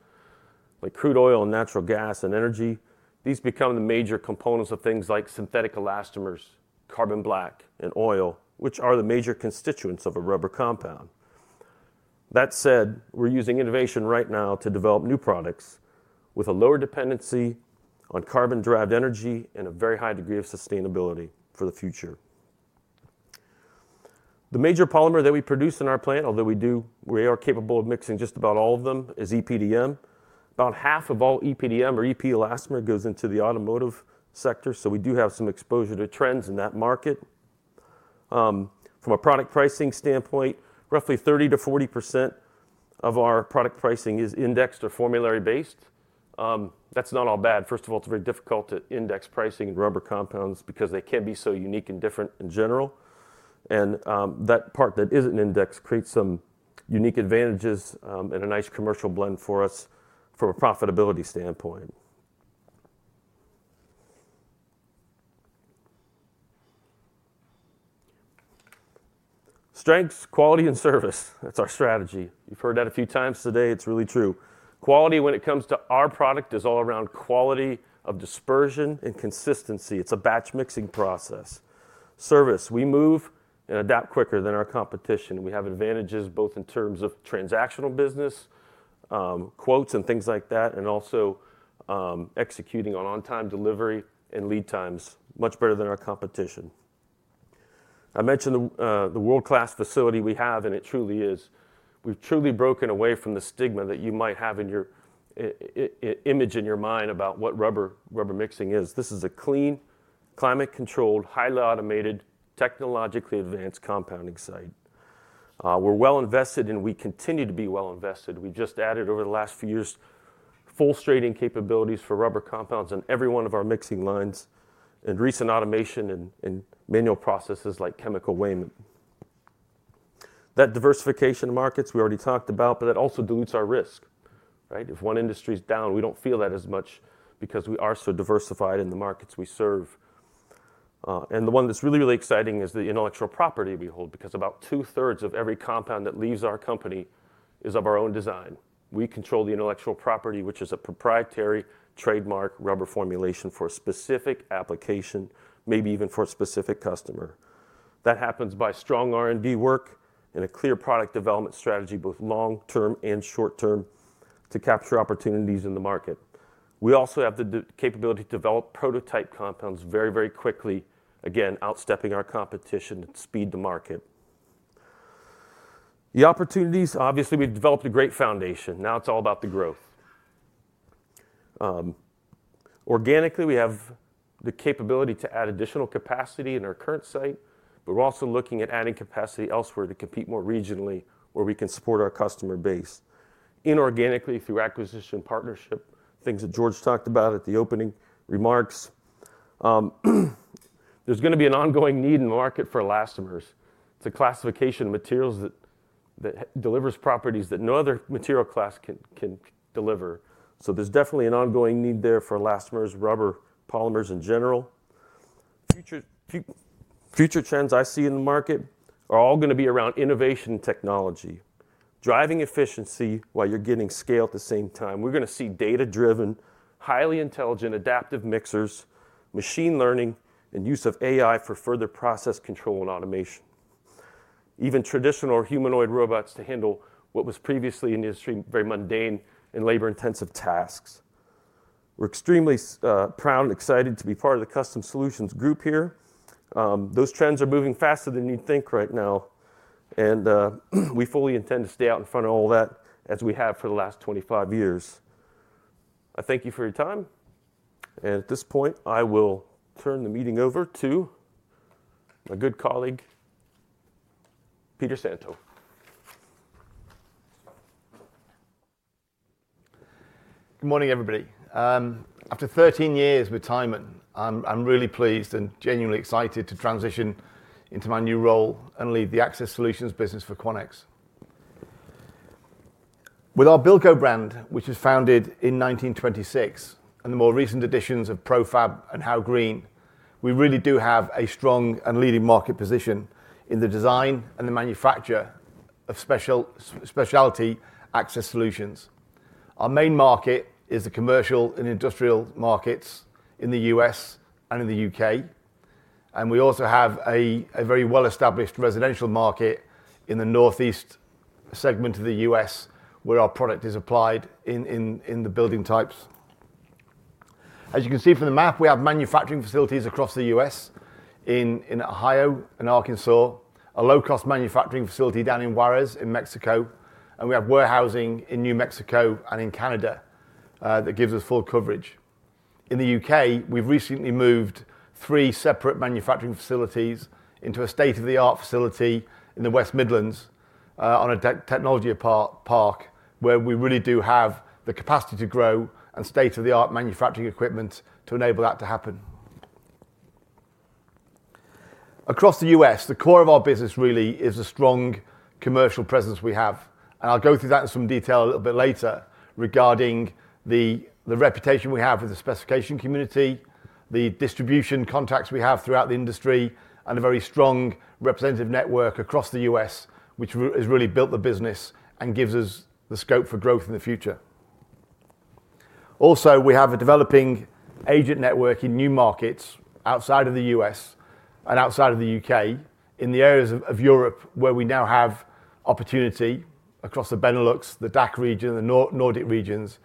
like crude oil and natural gas and energy. These become the major components of things like synthetic elastomers, carbon black, and oil, which are the major constituents of a rubber compound. That said, we're using innovation right now to develop new products with a lower dependency on carbon-derived energy and a very high degree of sustainability for the future. The major polymer that we produce in our plant, although we are capable of mixing just about all of them, is EPDM. About half of all EPDM or EP elastomer goes into the automotive sector. So we do have some exposure to trends in that market. From a product pricing standpoint, roughly 30%-40% of our product pricing is indexed or formulary-based. That's not all bad. First of all, it's very difficult to index pricing and rubber compounds because they can be so unique and different in general. And that part that isn't indexed creates some unique advantages and a nice commercial blend for us from a profitability standpoint. Strengths, quality, and service. That's our strategy. You've heard that a few times today. It's really true. Quality, when it comes to our product, is all around quality of dispersion and consistency. It's a batch mixing process. Service, we move and adapt quicker than our competition. We have advantages both in terms of transactional business, quotes, and things like that, and also executing on on-time delivery and lead times much better than our competition. I mentioned the world-class facility we have, and it truly is. We've truly broken away from the stigma that you might have in your image in your mind about what rubber mixing is. This is a clean, climate-controlled, highly automated, technologically advanced compounding site. We're well invested, and we continue to be well invested. We just added, over the last few years, full-strengthening capabilities for rubber compounds on every one of our mixing lines and recent automation and manual processes like chemical weighment. That diversification markets we already talked about, but that also dilutes our risk, right? If one industry's down, we don't feel that as much because we are so diversified in the markets we serve. And the one that's really, really exciting is the intellectual property we hold because about two-thirds of every compound that leaves our company is of our own design. We control the intellectual property, which is a proprietary trademark rubber formulation for a specific application, maybe even for a specific customer. That happens by strong R&D work and a clear product development strategy, both long-term and short-term, to capture opportunities in the market. We also have the capability to develop prototype compounds very, very quickly, again, outstepping our competition at speed to market. The opportunities, obviously, we've developed a great foundation. Now it's all about the growth. Organically, we have the capability to add additional capacity in our current site, but we're also looking at adding capacity elsewhere to compete more regionally where we can support our customer base. Inorganically, through acquisition partnership, things that George talked about at the opening remarks, there's going to be an ongoing need in the market for elastomers. It's a classification of materials that delivers properties that no other material class can deliver. So there's definitely an ongoing need there for elastomers, rubber polymers in general. Future trends I see in the market are all going to be around innovation technology, driving efficiency while you're getting scale at the same time. We're going to see data-driven, highly intelligent, adaptive mixers, machine learning, and use of AI for further process control and automation. Even traditional humanoid robots to handle what was previously in the industry very mundane and labor-intensive tasks. We're extremely proud and excited to be part of the Custom Solutions group here. Those trends are moving faster than you'd think right now. We fully intend to stay out in front of all that as we have for the last 25 years. I thank you for your time. At this point, I will turn the meeting over to my good colleague, Peter Santo. Good morning, everybody. After 13 years with Tyman, I'm really pleased and genuinely excited to transition into my new role and lead the access solutions business for Quanex. With our Bilco brand, which was founded in 1926, and the more recent additions of Profab and Howe Green, we really do have a strong and leading market position in the design and the manufacture of specialty access solutions. Our main market is the commercial and industrial markets in the U.S. and in the U.K. We also have a very well-established residential market in the northeast segment of the U.S. where our product is applied in the building types. As you can see from the map, we have manufacturing facilities across the U.S. in Ohio and Arkansas, a low-cost manufacturing facility down in Juarez in Mexico, and we have warehousing in New Mexico and in Canada that gives us full coverage. In the U.K., we've recently moved three separate manufacturing facilities into a state-of-the-art facility in the West Midlands on a technology park where we really do have the capacity to grow and state-of-the-art manufacturing equipment to enable that to happen. Across the U.S., the core of our business really is the strong commercial presence we have. I'll go through that in some detail a little bit later regarding the reputation we have with the specification community, the distribution contacts we have throughout the industry, and a very strong representative network across the U.S., which has really built the business and gives us the scope for growth in the future. Also, we have a developing agent network in new markets outside of the U.S. and outside of the U.K. in the areas of Europe where we now have opportunity across the Benelux, the DACH region, the Nordic regions,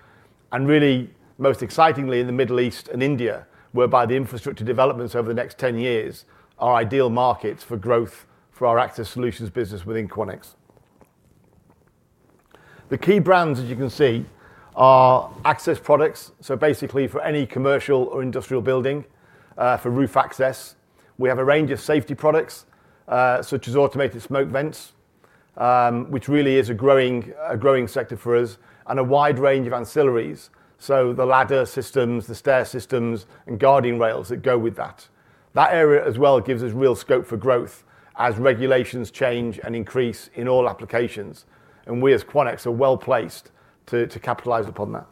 and really, most excitingly, in the Middle East and India, whereby the infrastructure developments over the next 10 years are ideal markets for growth for our access solutions business within Quanex. The key brands, as you can see, are access products. So basically, for any commercial or industrial building for roof access, we have a range of safety products such as automated smoke vents, which really is a growing sector for us, and a wide range of ancillaries, so the ladder systems, the stair systems, and guarding rails that go with that. That area as well gives us real scope for growth as regulations change and increase in all applications. And we as Quanex are well placed to capitalize upon that.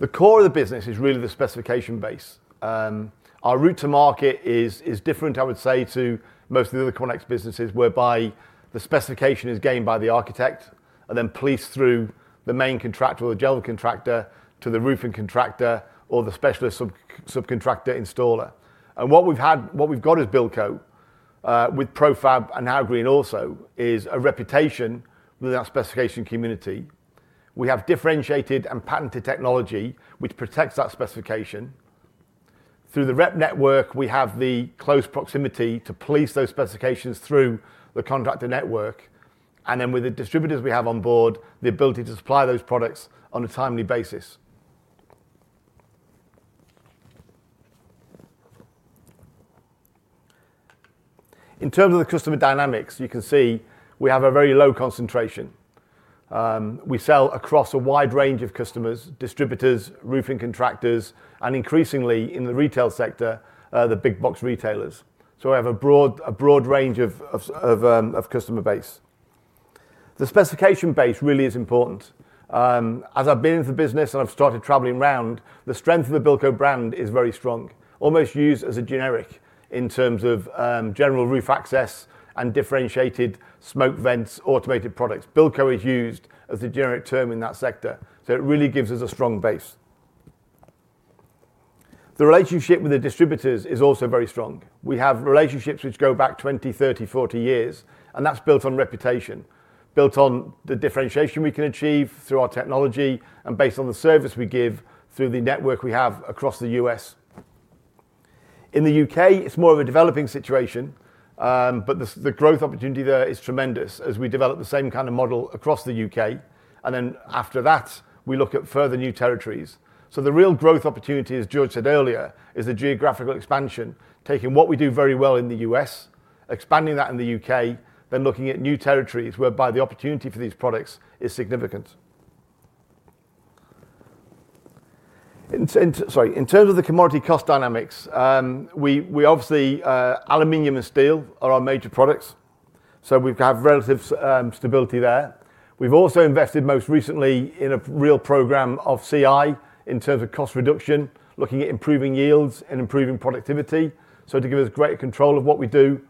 The core of the business is really the specification base. Our route to market is different, I would say, to most of the other Quanex businesses, whereby the specification is gained by the architect and then policed through the main contractor or the general contractor to the roofing contractor or the specialist subcontractor installer. What we've got is Bilco with Profab and Howe Green also is a reputation within our specification community. We have differentiated and patented technology, which protects that specification. Through the rep network, we have the close proximity to police those specifications through the contractor network. And then with the distributors we have on board, the ability to supply those products on a timely basis. In terms of the customer dynamics, you can see we have a very low concentration. We sell across a wide range of customers, distributors, roofing contractors, and increasingly in the retail sector, the big box retailers. So we have a broad range of customer base. The specification base really is important. As I've been in the business and I've started traveling around, the strength of the Bilco brand is very strong, almost used as a generic in terms of general roof access and differentiated smoke vents, automated products. Bilco is used as the generic term in that sector. So it really gives us a strong base. The relationship with the distributors is also very strong. We have relationships which go back 20, 30, 40 years, and that's built on reputation, built on the differentiation we can achieve through our technology and based on the service we give through the network we have across the U.S. In the U.K., it's more of a developing situation, but the growth opportunity there is tremendous as we develop the same kind of model across the U.K. And then after that, we look at further new territories. So the real growth opportunity, as George said earlier, is the geographical expansion, taking what we do very well in the U.S., expanding that in the U.K., then looking at new territories whereby the opportunity for these products is significant. Sorry. In terms of the commodity cost dynamics, we obviously aluminum and steel are our major products. So we've had relative stability there. We've also invested most recently in a real program of CI in terms of cost reduction, looking at improving yields and improving productivity so to give us greater control of what we do.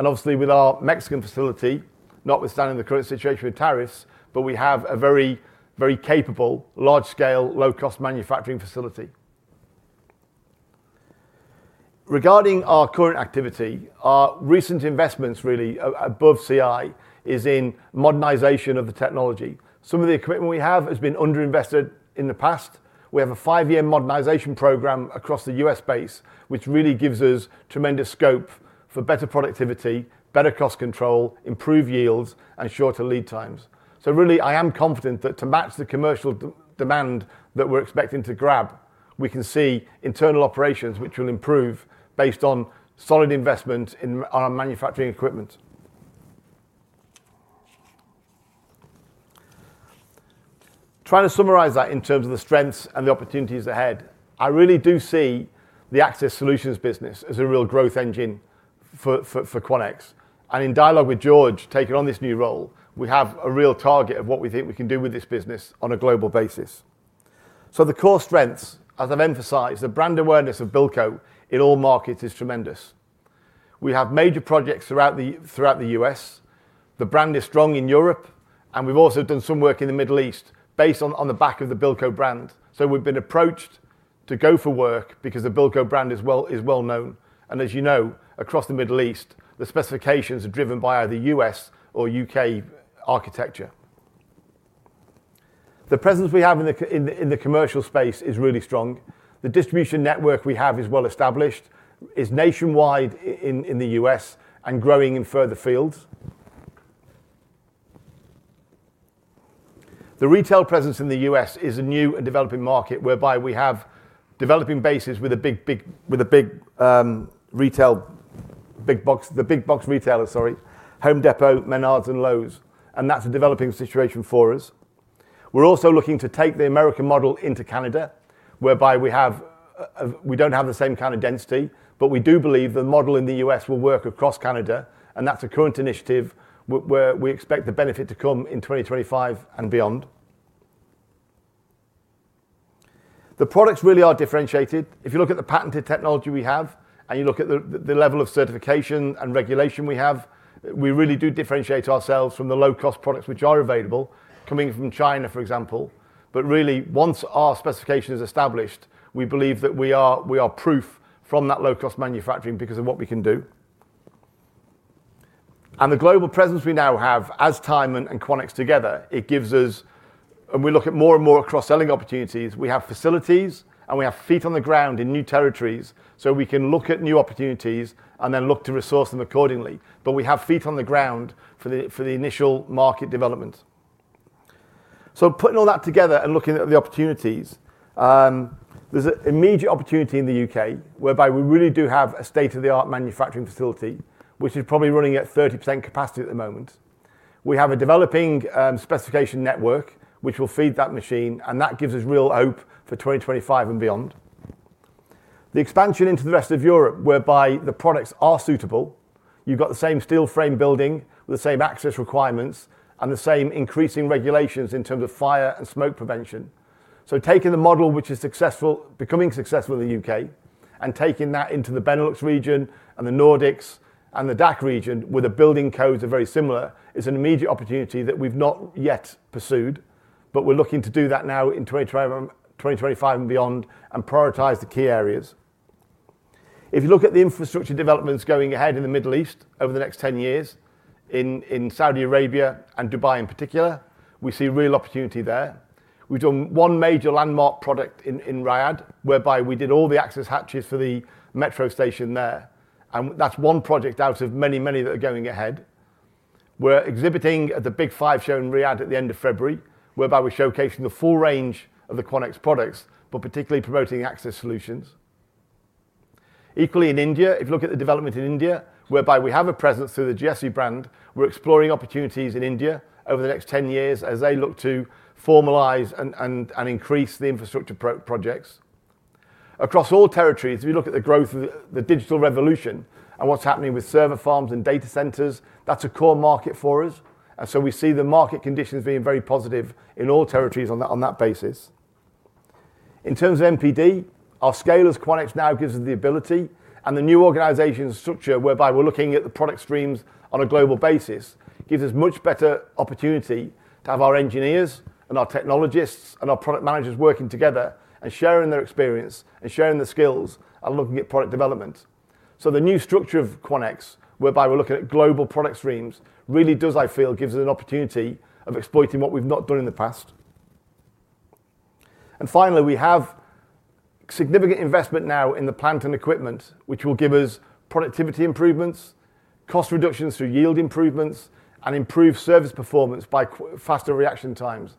And obviously, with our Mexican facility, notwithstanding the current situation with tariffs, but we have a very, very capable, large-scale, low-cost manufacturing facility. Regarding our current activity, our recent investments really above CI is in modernization of the technology. Some of the equipment we have has been underinvested in the past. We have a five-year modernization program across the U.S. base, which really gives us tremendous scope for better productivity, better cost control, improved yields, and shorter lead times. So really, I am confident that to match the commercial demand that we're expecting to grab, we can see internal operations which will improve based on solid investment in our manufacturing equipment. Trying to summarize that in terms of the strengths and the opportunities ahead, I really do see the Access Solutions business as a real growth engine for Quanex. And in dialogue with George, taking on this new role, we have a real target of what we think we can do with this business on a global basis. So the core strengths, as I've emphasized, the brand awareness of Bilco in all markets is tremendous. We have major projects throughout the U.S. The brand is strong in Europe, and we've also done some work in the Middle East based on the back of the Bilco brand. So we've been approached to go for work because the Bilco brand is well known. And as you know, across the Middle East, the specifications are driven by either U.S. or U.K. architecture. The presence we have in the commercial space is really strong. The distribution network we have is well established, is nationwide in the U.S. and growing in further fields. The retail presence in the U.S. is a new and developing market whereby we have developing bases with a big retail, the big box retailer, sorry, Home Depot, Menards, and Lowe's. And that's a developing situation for us. We're also looking to take the American model into Canada, whereby we don't have the same kind of density, but we do believe the model in the U.S. will work across Canada, and that's a current initiative where we expect the benefit to come in 2025 and beyond. The products really are differentiated. If you look at the patented technology we have and you look at the level of certification and regulation we have, we really do differentiate ourselves from the low-cost products which are available coming from China, for example, but really, once our specification is established, we believe that we are proof from that low-cost manufacturing because of what we can do, and the global presence we now have as Tyman and Quanex together, it gives us, and we look at more and more cross-selling opportunities. We have facilities, and we have feet on the ground in new territories. So we can look at new opportunities and then look to resource them accordingly. But we have feet on the ground for the initial market development. So putting all that together and looking at the opportunities, there's an immediate opportunity in the U.K. whereby we really do have a state-of-the-art manufacturing facility, which is probably running at 30% capacity at the moment. We have a developing specification network which will feed that machine, and that gives us real hope for 2025 and beyond. The expansion into the rest of Europe whereby the products are suitable. You've got the same steel frame building with the same access requirements and the same increasing regulations in terms of fire and smoke prevention. So taking the model which is becoming successful in the U.K. and taking that into the Benelux region and the Nordics and the DACH region where the building codes are very similar is an immediate opportunity that we've not yet pursued. But we're looking to do that now in 2025 and beyond and prioritize the key areas. If you look at the infrastructure developments going ahead in the Middle East over the next 10 years in Saudi Arabia and Dubai in particular, we see real opportunity there. We've done one major landmark product in Riyadh whereby we did all the access hatches for the metro station there. And that's one project out of many, many that are going ahead. We're exhibiting at the Big 5 show in Riyadh at the end of February whereby we're showcasing the full range of the Quanex products, but particularly promoting access solutions. Equally in India, if you look at the development in India whereby we have a presence through the Giesse brand, we're exploring opportunities in India over the next 10 years as they look to formalize and increase the infrastructure projects. Across all territories, if you look at the growth of the digital revolution and what's happening with server farms and data centers, that's a core market for us, and so we see the market conditions being very positive in all territories on that basis. In terms of NPD, our scale as Quanex now gives us the ability and the new organization structure whereby we're looking at the product streams on a global basis gives us much better opportunity to have our engineers and our technologists and our product managers working together and sharing their experience and sharing the skills and looking at product development. The new structure of Quanex whereby we're looking at global product streams really does, I feel, give us an opportunity of exploiting what we've not done in the past. Finally, we have significant investment now in the plant and equipment, which will give us productivity improvements, cost reductions through yield improvements, and improved service performance by faster reaction times.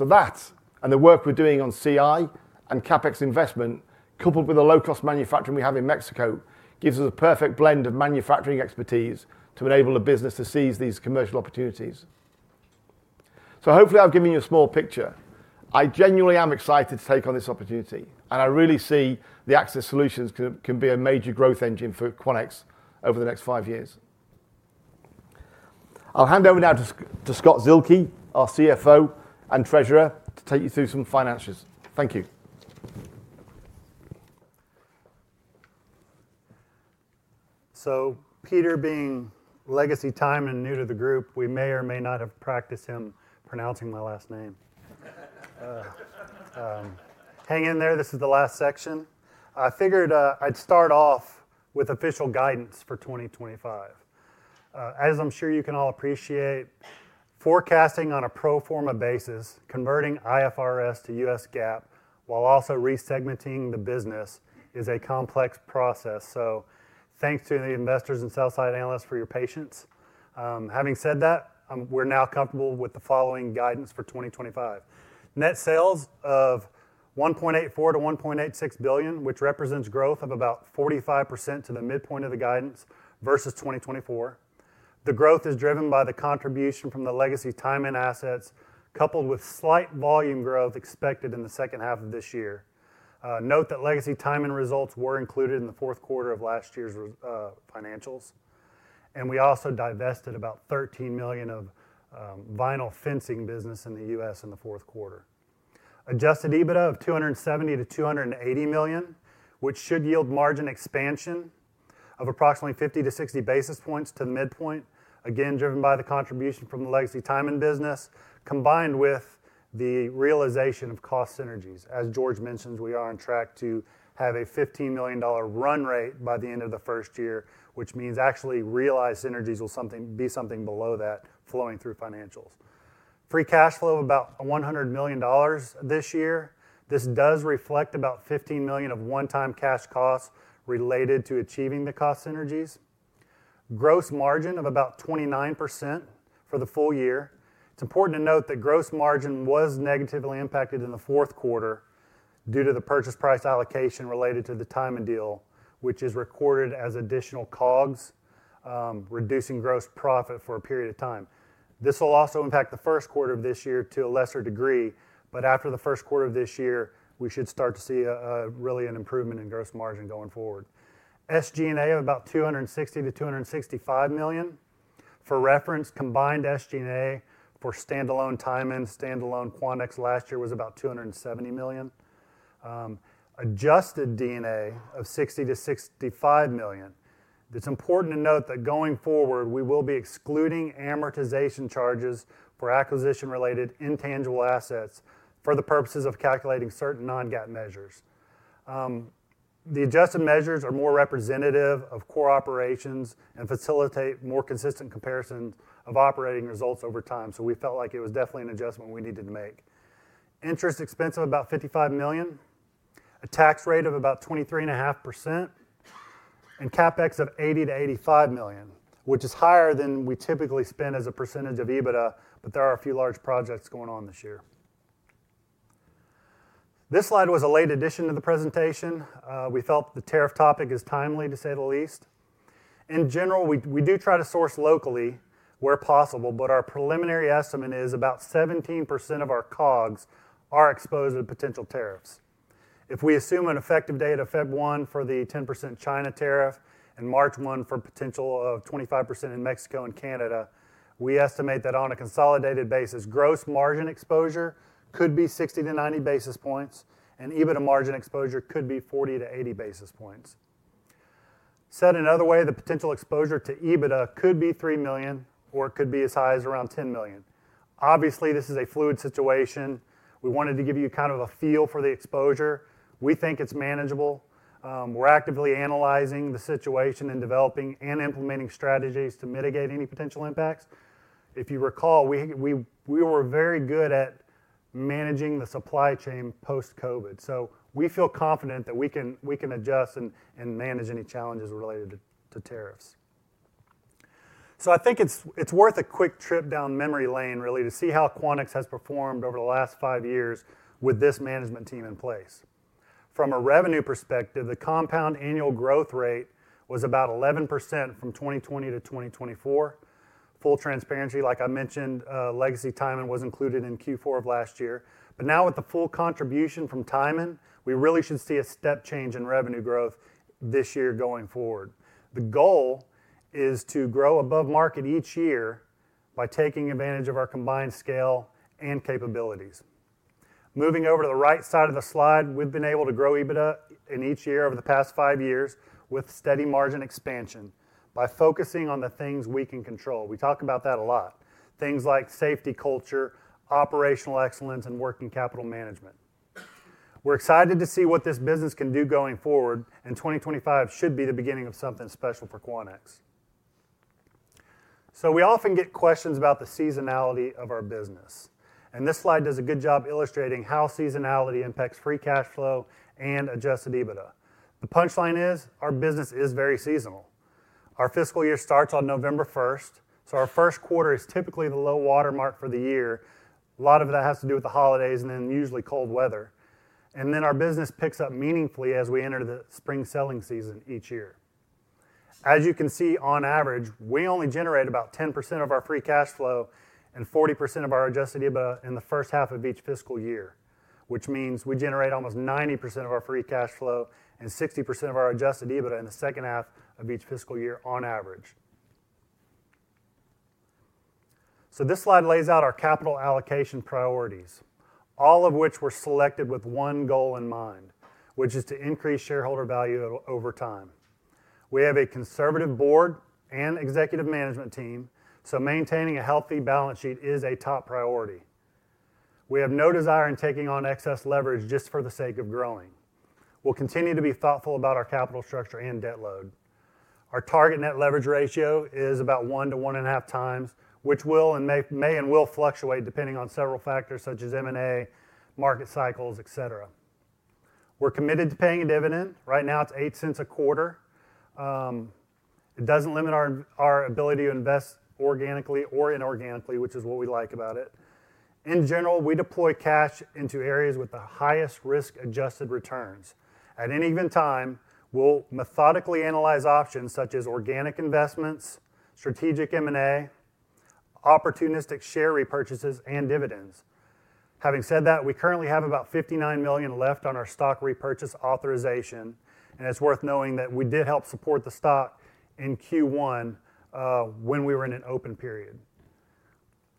That and the work we're doing on CI and CapEx investment coupled with the low-cost manufacturing we have in Mexico gives us a perfect blend of manufacturing expertise to enable a business to seize these commercial opportunities. Hopefully, I've given you a small picture. I genuinely am excited to take on this opportunity, and I really see the Access Solutions can be a major growth engine for Quanex over the next five years. I'll hand over now to Scott Zuehlke, our CFO and treasurer, to take you through some finances. Thank you. So Peter, being legacy Tyman and new to the group, we may or may not have practiced him pronouncing my last name. Hang in there. This is the last section. I figured I'd start off with official guidance for 2025. As I'm sure you can all appreciate, forecasting on a pro forma basis, converting IFRS to U.S. GAAP while also resegmenting the business is a complex process. So thanks to the investors and sell-side analysts for your patience. Having said that, we're now comfortable with the following guidance for 2025. Net sales of $1.84 billion-$1.86 billion, which represents growth of about 45% to the midpoint of the guidance versus 2024. The growth is driven by the contribution from the legacy Tyman assets coupled with slight volume growth expected in the second half of this year. Note that legacy Tyman results were included in the fourth quarter of last year's financials, and we also divested about $13 million of vinyl fencing business in the U.S. in the fourth quarter. Adjusted EBITDA of $270 million-$280 million, which should yield margin expansion of approximately 50 to 60 basis points to the midpoint, again driven by the contribution from the legacy Tyman business combined with the realization of cost synergies. As George mentioned, we are on track to have a $15 million run rate by the end of the first year, which means actually realized synergies will be something below that flowing through financials. Free cash flow of about $100 million this year. This does reflect about $15 million of one-time cash costs related to achieving the cost synergies. Gross margin of about 29% for the full year. It's important to note that gross margin was negatively impacted in the fourth quarter due to the purchase price allocation related to the Tyman deal, which is recorded as additional COGS, reducing gross profit for a period of time. This will also impact the first quarter of this year to a lesser degree, but after the first quarter of this year, we should start to see really an improvement in gross margin going forward. SG&A of about $260 million-$265 million. For reference, combined SG&A for standalone Tyman and standalone Quanex last year was about $270 million. Adjusted EBITDA of $60 million-$65 million. It's important to note that going forward, we will be excluding amortization charges for acquisition-related intangible assets for the purposes of calculating certain non-GAAP measures. The adjusted measures are more representative of core operations and facilitate more consistent comparisons of operating results over time. So we felt like it was definitely an adjustment we needed to make. Interest expense of about $55 million, a tax rate of about 23.5%, and CapEx of $80 million-$85 million, which is higher than we typically spend as a percentage of EBITDA, but there are a few large projects going on this year. This slide was a late addition to the presentation. We felt the tariff topic is timely, to say the least. In general, we do try to source locally where possible, but our preliminary estimate is about 17% of our COGS are exposed to potential tariffs. If we assume an effective date of Feb. 1 for the 10% China tariff and March 1 for potential of 25% in Mexico and Canada, we estimate that on a consolidated basis, gross margin exposure could be 60-90 basis points, and EBITDA margin exposure could be 40-80 basis points. Said another way, the potential exposure to EBITDA could be $3 million or it could be as high as around $10 million. Obviously, this is a fluid situation. We wanted to give you kind of a feel for the exposure. We think it's manageable. We're actively analyzing the situation and developing and implementing strategies to mitigate any potential impacts. If you recall, we were very good at managing the supply chain post-COVID. So we feel confident that we can adjust and manage any challenges related to tariffs. I think it's worth a quick trip down memory lane really to see how Quanex has performed over the last five years with this management team in place. From a revenue perspective, the compound annual growth rate was about 11% from 2020 to 2024. Full transparency, like I mentioned, legacy Tyman was included in Q4 of last year. But now with the full contribution from Tyman, we really should see a step change in revenue growth this year going forward. The goal is to grow above market each year by taking advantage of our combined scale and capabilities. Moving over to the right side of the slide, we've been able to grow EBITDA in each year over the past five years with steady margin expansion by focusing on the things we can control. We talk about that a lot. Things like safety culture, operational excellence, and working capital management. We're excited to see what this business can do going forward, and 2025 should be the beginning of something special for Quanex, so we often get questions about the seasonality of our business, and this slide does a good job illustrating how seasonality impacts free cash flow and Adjusted EBITDA. The punchline is our business is very seasonal. Our fiscal year starts on November 1st, so our first quarter is typically the low watermark for the year. A lot of that has to do with the holidays and then usually cold weather, and then our business picks up meaningfully as we enter the spring selling season each year. As you can see, on average, we only generate about 10% of our free cash flow and 40% of our adjusted EBITDA in the first half of each fiscal year, which means we generate almost 90% of our free cash flow and 60% of our adjusted EBITDA in the second half of each fiscal year on average, so this slide lays out our capital allocation priorities, all of which were selected with one goal in mind, which is to increase shareholder value over time. We have a conservative board and executive management team, so maintaining a healthy balance sheet is a top priority. We have no desire in taking on excess leverage just for the sake of growing. We'll continue to be thoughtful about our capital structure and debt load. Our target net leverage ratio is about one to one and a half times, which will and may and will fluctuate depending on several factors such as M&A, market cycles, etc. We're committed to paying a dividend. Right now, it's $0.08 a quarter. It doesn't limit our ability to invest organically or inorganically, which is what we like about it. In general, we deploy cash into areas with the highest risk-adjusted returns. At any given time, we'll methodically analyze options such as organic investments, strategic M&A, opportunistic share repurchases, and dividends. Having said that, we currently have about $59 million left on our stock repurchase authorization, and it's worth knowing that we did help support the stock in Q1 when we were in an open period.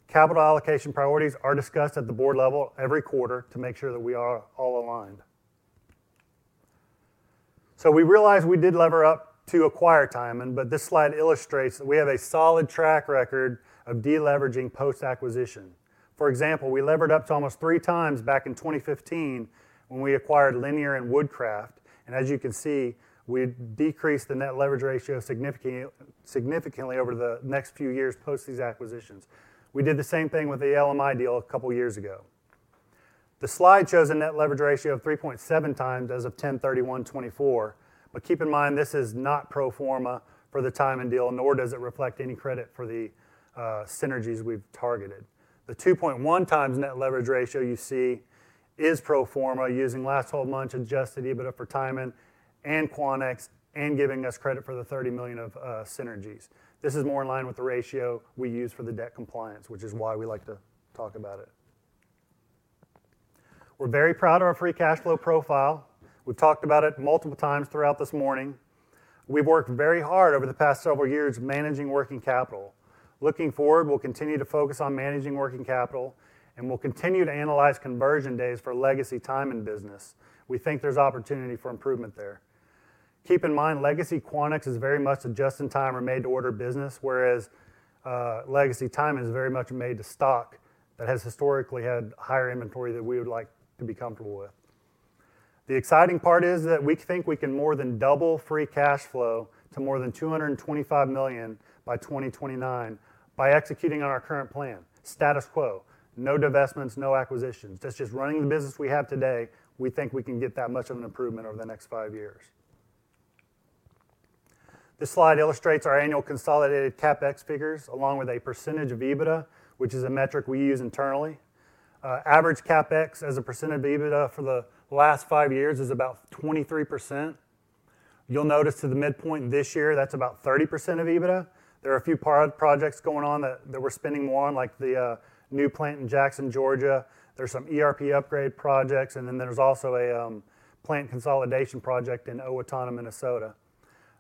Capital allocation priorities are discussed at the board level every quarter to make sure that we are all aligned. So we realized we did lever up to acquire Tyman, but this slide illustrates that we have a solid track record of deleveraging post-acquisition. For example, we levered up to almost three times back in 2015 when we acquired Liniar and Woodcraft. And as you can see, we decreased the net leverage ratio significantly over the next few years post these acquisitions. We did the same thing with the LMI deal a couple of years ago. The slide shows a net leverage ratio of 3.7x as of 10/31/2024. But keep in mind, this is not pro forma for the Tyman deal, nor does it reflect any credit for the synergies we've targeted. The 2.1x net leverage ratio you see is pro forma using last 12 months Adjusted EBITDA for Tyman and Quanex and giving us credit for the 30 million of synergies. This is more in line with the ratio we use for the debt compliance, which is why we like to talk about it. We're very proud of our free cash flow profile. We've talked about it multiple times throughout this morning. We've worked very hard over the past several years managing working capital. Looking forward, we'll continue to focus on managing working capital, and we'll continue to analyze conversion days for legacy Tyman business. We think there's opportunity for improvement there. Keep in mind, legacy Quanex is very much a just-in-time or made-to-order business, whereas legacy Tyman is very much made-to-stock that has historically had higher inventory that we would like to be comfortable with. The exciting part is that we think we can more than double free cash flow to more than $225 million by 2029 by executing on our current plan, status quo, no divestments, no acquisitions. That's just running the business we have today. We think we can get that much of an improvement over the next five years. This slide illustrates our annual consolidated CapEx figures along with a percentage of EBITDA, which is a metric we use internally. Average CapEx as a percent of EBITDA for the last five years is about 23%. You'll notice to the midpoint this year, that's about 30% of EBITDA. There are a few projects going on that we're spending more on, like the new plant in Jackson, Georgia. There's some ERP upgrade projects, and then there's also a plant consolidation project in Owatonna, Minnesota,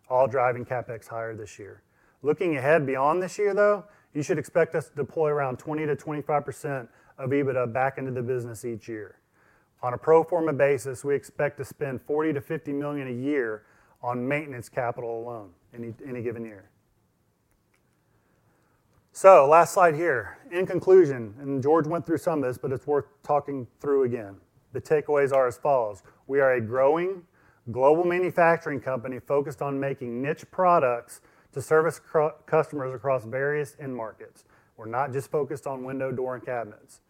all driving CapEx higher this year. Looking ahead beyond this year, though, you should expect us to deploy around 20%-25% of EBITDA back into the business each year. On a pro forma basis, we expect to spend $40 million-$50 million a year on maintenance capital alone in any given year. So last slide here. In conclusion, and George went through some of this, but it's worth talking through again. The takeaways are as follows. We are a growing global manufacturing company focused on making niche products to service customers across various end markets. We're not just focused on window, door, and cabinets.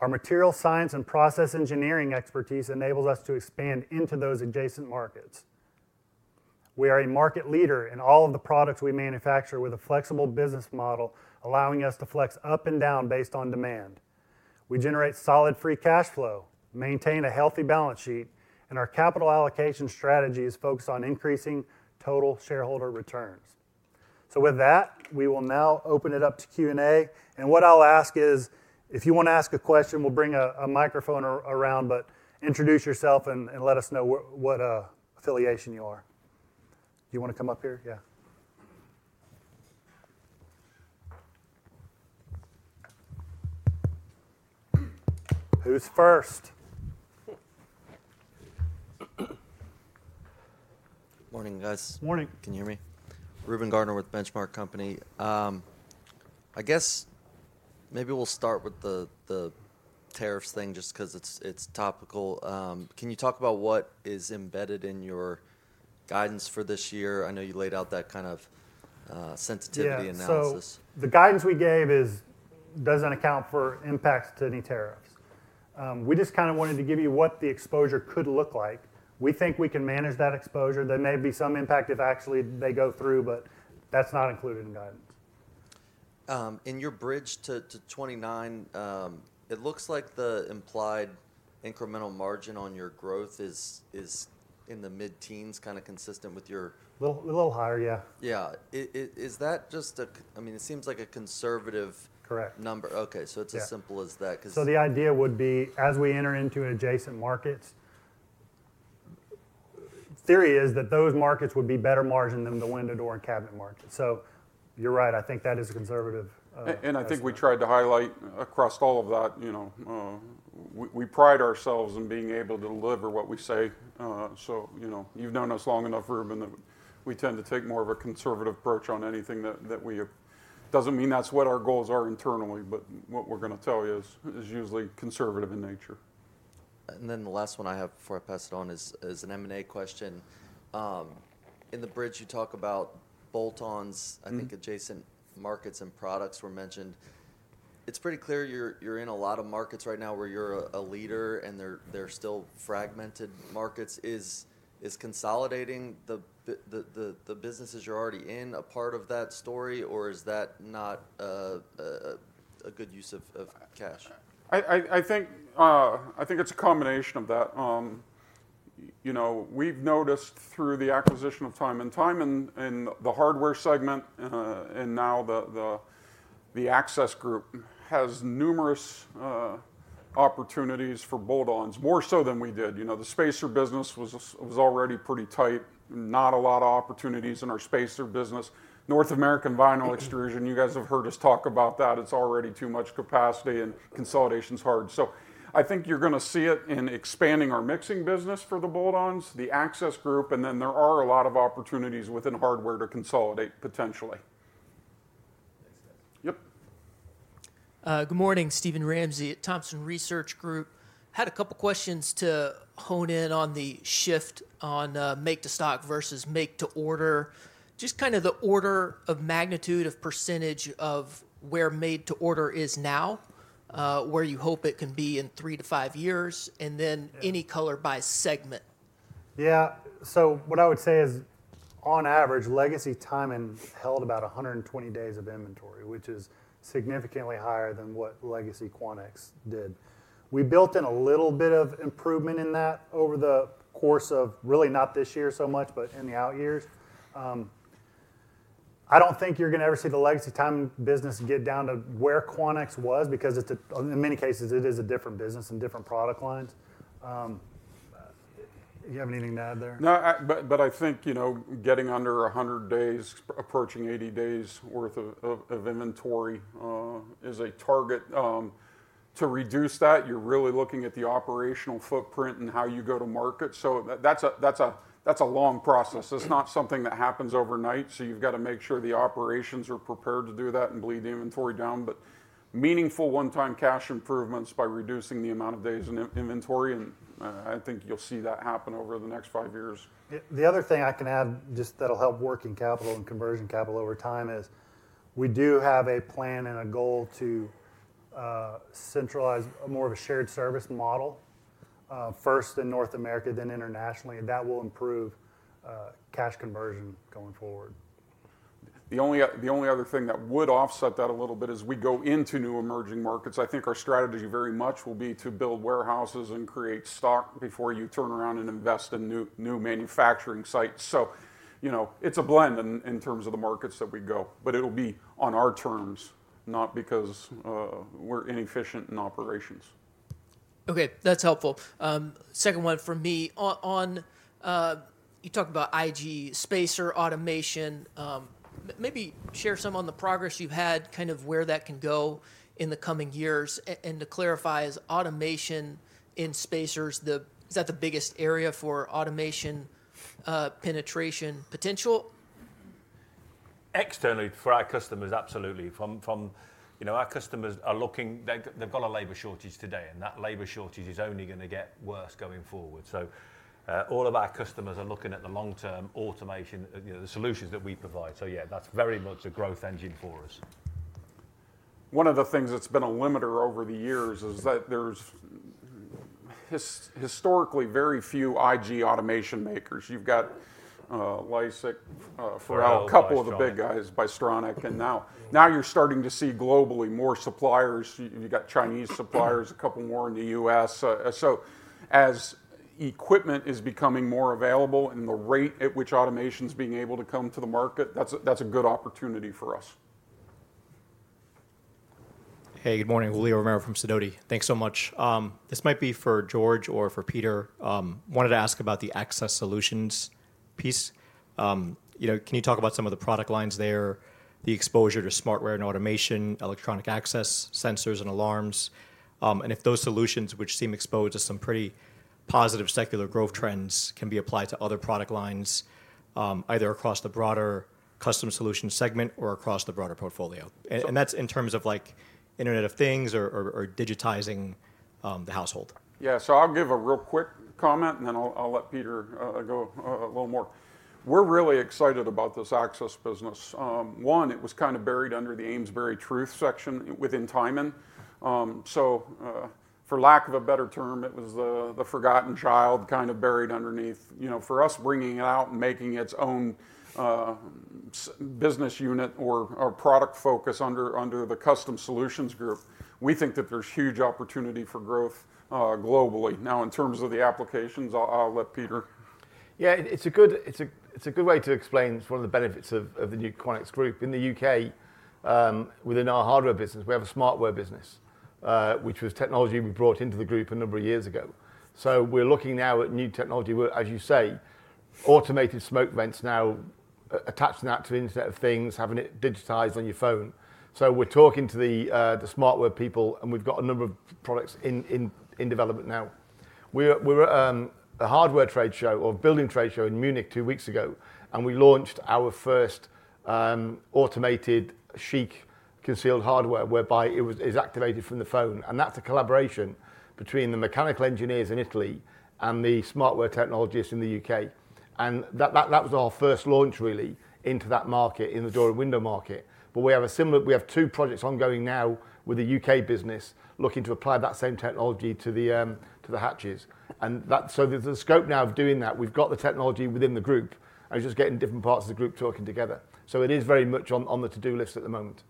Our material science and process engineering expertise enables us to expand into those adjacent markets. We are a market leader in all of the products we manufacture with a flexible business model, allowing us to flex up and down based on demand. We generate solid free cash flow, maintain a healthy balance sheet, and our capital allocation strategy is focused on increasing total shareholder returns. So with that, we will now open it up to Q&A. And what I'll ask is, if you want to ask a question, we'll bring a microphone around, but introduce yourself and let us know what affiliation you are. Do you want to come up here? Yeah. Who's first? Morning, guys. Morning. Can you hear me? Reuben Garner with Benchmark Company. I guess maybe we'll start with the tariffs thing just because it's topical. Can you talk about what is embedded in your guidance for this year? I know you laid out that kind of sensitivity analysis. So the guidance we gave doesn't account for impacts to any tariffs. We just kind of wanted to give you what the exposure could look like. We think we can manage that exposure. There may be some impact if actually they go through, but that's not included in guidance. In your bridge to 29, it looks like the implied incremental margin on your growth is in the mid-teens, kind of consistent with your. A little higher, yeah. Yeah. Is that just a, I mean, it seems like a conservative. Correct. Number. Okay. So it's as simple as that. So the idea would be as we enter into adjacent markets, theory is that those markets would be better margin than the window, door, and cabinet markets. So you're right. I think that is a conservative. And I think we tried to highlight across all of that. We pride ourselves in being able to deliver what we say. So you've known us long enough, Reuben, that we tend to take more of a conservative approach on anything that we doesn't mean that's what our goals are internally, but what we're going to tell you is usually conservative in nature. And then the last one I have before I pass it on is an M&A question. In the bridge, you talk about bolt-ons, I think adjacent markets and products were mentioned. It's pretty clear you're in a lot of markets right now where you're a leader and they're still fragmented markets. Is consolidating the businesses you're already in a part of that story, or is that not a good use of cash? I think it's a combination of that. We've noticed through the acquisition of Tyman and Tyman in the hardware segment and now the access group has numerous opportunities for bolt-ons, more so than we did. The spacer business was already pretty tight. Not a lot of opportunities in our spacer business. North American vinyl extrusion, you guys have heard us talk about that. It's already too much capacity and consolidation is hard. So I think you're going to see it in expanding our mixing business for the bolt-ons, the access group, and then there are a lot of opportunities within hardware to consolidate potentially. Yep. Good morning, Steven Ramsey at Thompson Research Group. Had a couple of questions to hone in on the shift on make-to-stock versus make-to-order. Just kind of the order of magnitude of percentage of where made-to-order is now, where you hope it can be in three to five years, and then any color by segment. Yeah. So what I would say is on average, legacy Tyman held about 120 days of inventory, which is significantly higher than what legacy Quanex did. We built in a little bit of improvement in that over the course of really not this year so much, but in the out years. I don't think you're going to ever see the legacy Tyman business get down to where Quanex was because in many cases, it is a different business and different product lines. Do you have anything to add there? No, but I think getting under 100 days, approaching 80 days worth of inventory is a target. To reduce that, you're really looking at the operational footprint and how you go to market. So that's a long process. It's not something that happens overnight. So you've got to make sure the operations are prepared to do that and bleed inventory down, but meaningful one-time cash improvements by reducing the amount of days in inventory. And I think you'll see that happen over the next five years. The other thing I can add just that'll help working capital and conversion capital over time is we do have a plan and a goal to centralize more of a shared service model, first in North America, then internationally. That will improve cash conversion going forward. The only other thing that would offset that a little bit is we go into new emerging markets. I think our strategy very much will be to build warehouses and create stock before you turn around and invest in new manufacturing sites. So it's a blend in terms of the markets that we go, but it'll be on our terms, not because we're inefficient in operations. Okay. That's helpful. Second one for me. You talked about IG, spacer, automation. Maybe share some on the progress you've had, kind of where that can go in the coming years. And to clarify, is automation in spacers, is that the biggest area for automation penetration potential? Externally for our customers, absolutely. Our customers are looking; they've got a labor shortage today, and that labor shortage is only going to get worse going forward. So all of our customers are looking at the long-term automation, the solutions that we provide. So yeah, that's very much a growth engine for us. One of the things that's been a limiter over the years is that there's historically very few IG automation makers. You've got LiSEC, Forel, a couple of the big guys, Bystronic, and now you're starting to see globally more suppliers. You've got Chinese suppliers, a couple more in the U.S. So Asian equipment is becoming more available and the rate at which automation is being able to come to the market, that's a good opportunity for us. Hey, good morning. Julio Romero from Sidoti. Thanks so much. This might be for George or for Peter. Wanted to ask about the Access Solutions piece. Can you talk about some of the product lines there, the exposure to SmartWare and automation, electronic access, sensors and alarms, and if those solutions, which seem exposed to some pretty positive secular growth trends, can be applied to other product lines, either across the broader Custom Solutions segment or across the broader portfolio? And that's in terms of Internet of Things or digitizing the household. Yeah. So I'll give a real quick comment, and then I'll let Peter go a little more. We're really excited about this access business. One, it was kind of buried under the AmesburyTruth section within Tyman. So for lack of a better term, it was the forgotten child kind of buried underneath. For us, bringing it out and making its own business unit or product focus under the Custom Solutions group, we think that there's huge opportunity for growth globally. Now, in terms of the applications, I'll let Peter. Yeah. It's a good way to explain one of the benefits of the new Quanex group. In the UK, within our hardware business, we have a SmartWare business, which was technology we brought into the group a number of years ago. So we're looking now at new technology, as you say, automated smoke vents now attached to the Internet of Things, having it digitized on your phone, so we're talking to the SmartWare people, and we've got a number of products in development now. We were at a hardware trade show or building trade show in Munich two weeks ago, and we launched our first automated CHIC concealed hardware whereby it is activated from the phone, and that was our first launch, really, into that market in the door and window market, but we have two projects ongoing now with the U.K. business looking to apply that same technology to the hatches, and so there's a scope now of doing that. We've got the technology within the group, and it's just getting different parts of the group talking together. So it is very much on the to-do list at the moment.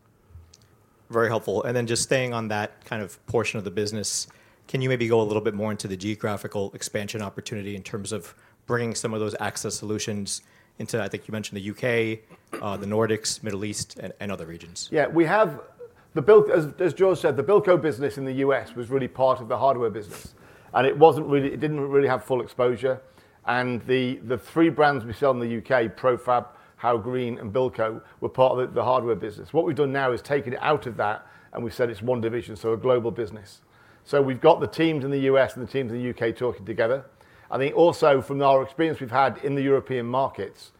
Very helpful, and then just staying on that kind of portion of the business, can you maybe go a little bit more into the geographical expansion opportunity in terms of bringing some of those access solutions into I think you mentioned the U.K., the Nordics, Middle East, and other regions? Yeah. As George said, the Bilco business in the U.S. was really part of the hardware business, and it didn't really have full exposure. And the three brands we sell in the U.K., Profab, Howe Green, and Bilco were part of the hardware business. What we've done now is taken it out of that, and we've said it's one division, so a global business. So we've got the teams in the U.S. and the teams in the U.K. talking together. I think also from our experience we've had in the European markets,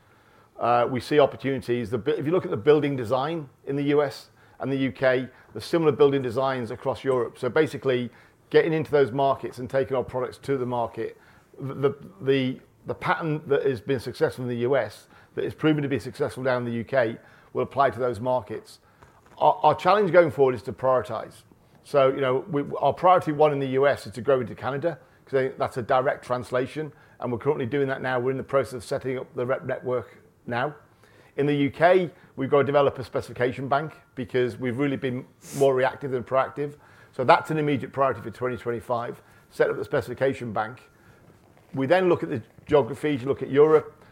we see opportunities. If you look at the building design in the U.S. and the U.K., the similar building designs across Europe. So basically getting into those markets and taking our products to the market, the pattern that has been successful in the U.S. that is proving to be successful down in the U.K. will apply to those markets. Our challenge going forward is to prioritize. So our priority one in the U.S. is to grow into Canada because that's a direct translation, and we're currently doing that now. We're in the process of setting up the network now. In the U.K., we've got a developer specification bank because we've really been more reactive than proactive. So that's an immediate priority for 2025. Set up the specification bank. We then look at the geography, look at Europe.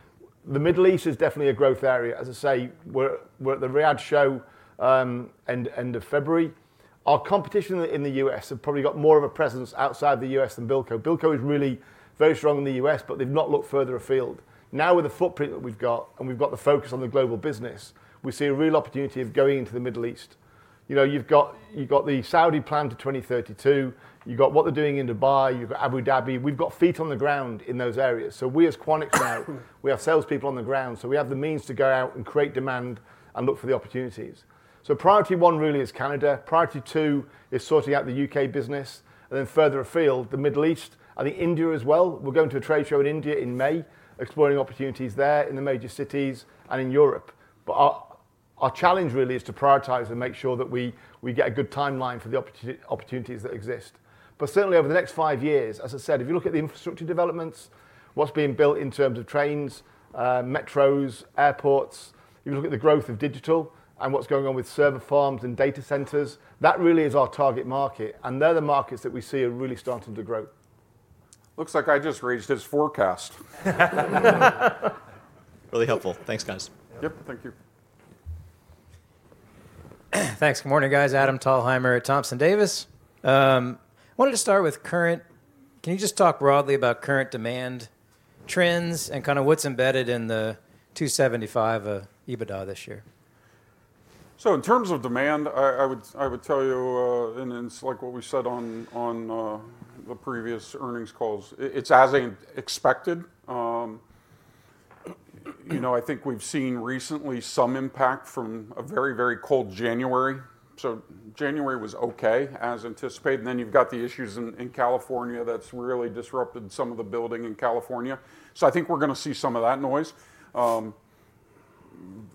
The Middle East is definitely a growth area. As I say, we're at the Riyadh show end of February. Our competition in the U.S. have probably got more of a presence outside the U.S. than Bilco. Bilco is really very strong in the U.S., but they've not looked further afield. Now with the footprint that we've got and we've got the focus on the global business, we see a real opportunity of going into the Middle East. You've got the Saudi planned to 2032. You've got what they're doing in Dubai. You've got Abu Dhabi. We've got feet on the ground in those areas. So we as Quanex now, we have salespeople on the ground. So we have the means to go out and create demand and look for the opportunities. Priority one really is Canada. Priority two is sorting out the UK business. Then further afield, the Middle East. I think India as well. We're going to a trade show in India in May, exploring opportunities there in the major cities and in Europe. But our challenge really is to prioritize and make sure that we get a good timeline for the opportunities that exist. Certainly over the next five years, as I said, if you look at the infrastructure developments, what's being built in terms of trains, metros, airports, if you look at the growth of digital and what's going on with server farms and data centers, that really is our target market. They're the markets that we see are really starting to grow. Looks like I just reached his forecast. Really helpful. Thanks, guys. Yep. Thank you. Thanks. Good morning, guys. Adam Thalhimer at Thompson Davis. I wanted to start with current, can you just talk broadly about current demand trends and kind of what's embedded in the 275 EBITDA this year? So in terms of demand, I would tell you, and it's like what we said on the previous earnings calls, it's as expected. I think we've seen recently some impact from a very, very cold January. So January was okay as anticipated. And then you've got the issues in California that's really disrupted some of the building in California. So I think we're going to see some of that noise.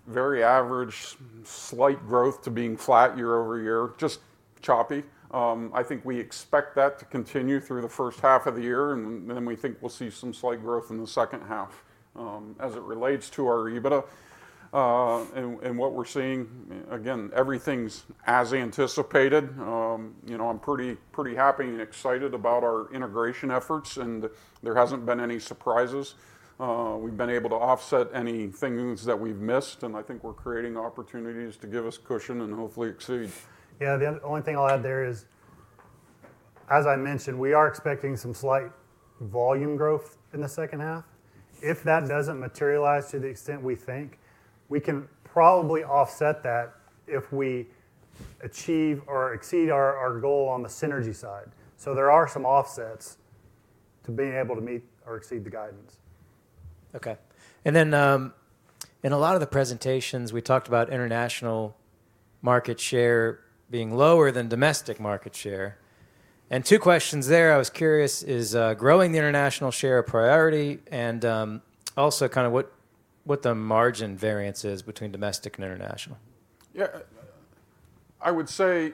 Very average, slight growth to being flat year-over-year, just choppy. I think we expect that to continue through the first half of the year, and then we think we'll see some slight growth in the second half as it relates to our EBITDA and what we're seeing. Again, everything's as anticipated. I'm pretty happy and excited about our integration efforts, and there hasn't been any surprises. We've been able to offset any things that we've missed, and I think we're creating opportunities to give us cushion and hopefully exceed. Yeah. The only thing I'll add there is, as I mentioned, we are expecting some slight volume growth in the second half. If that doesn't materialize to the extent we think, we can probably offset that if we achieve or exceed our goal on the synergy side. So there are some offsets to being able to meet or exceed the guidance. Okay. And then in a lot of the presentations, we talked about international market share being lower than domestic market share. And two questions there. I was curious, is growing the international share a priority? And also kind of what the margin variance is between domestic and international? Yeah. I would say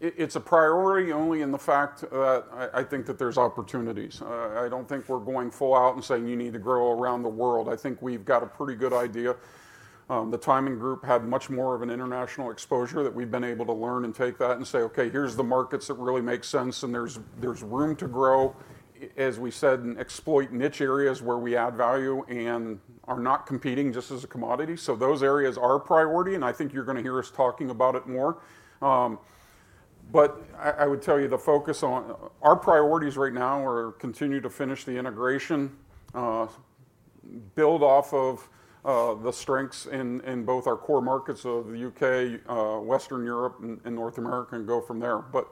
it's a priority only in the fact that I think that there's opportunities. I don't think we're going full out and saying you need to grow around the world. I think we've got a pretty good idea. The Tyman Group had much more of an international exposure that we've been able to learn and take that and say, "Okay, here's the markets that really make sense, and there's room to grow," as we said, and exploit niche areas where we add value and are not competing just as a commodity. So those areas are priority, and I think you're going to hear us talking about it more. But I would tell you the focus on our priorities right now are continue to finish the integration, build off of the strengths in both our core markets of the UK, Western Europe, and North America, and go from there. But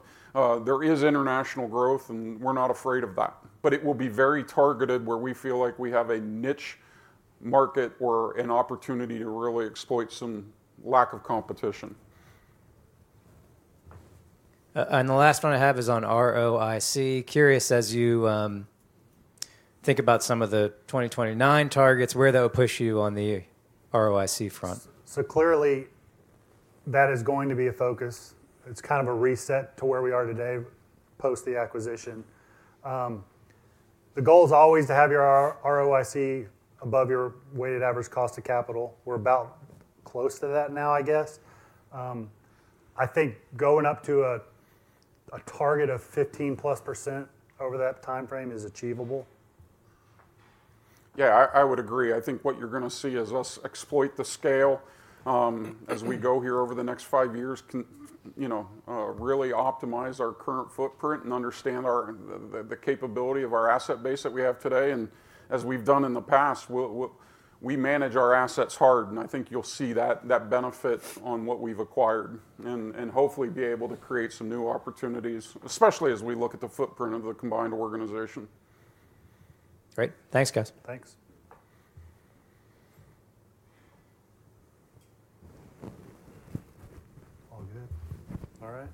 there is international growth, and we're not afraid of that. But it will be very targeted where we feel like we have a niche market or an opportunity to really exploit some lack of competition. And the last one I have is on ROIC. Curious, as you think about some of the 2029 targets, where that would push you on the ROIC front. So clearly, that is going to be a focus. It's kind of a reset to where we are today post the acquisition. The goal is always to have your ROIC above your weighted average cost of capital. We're about as close to that now, I guess. I think going up to a target of 15+% over that timeframe is achievable. Yeah, I would agree. I think what you're going to see as we exploit the scale as we go here over the next five years can really optimize our current footprint and understand the capability of our asset base that we have today. And as we've done in the past, we manage our assets hard. And I think you'll see that benefit on what we've acquired and hopefully be able to create some new opportunities, especially as we look at the footprint of the combined organization. Great. Thanks, guys. Thanks.All good. All right.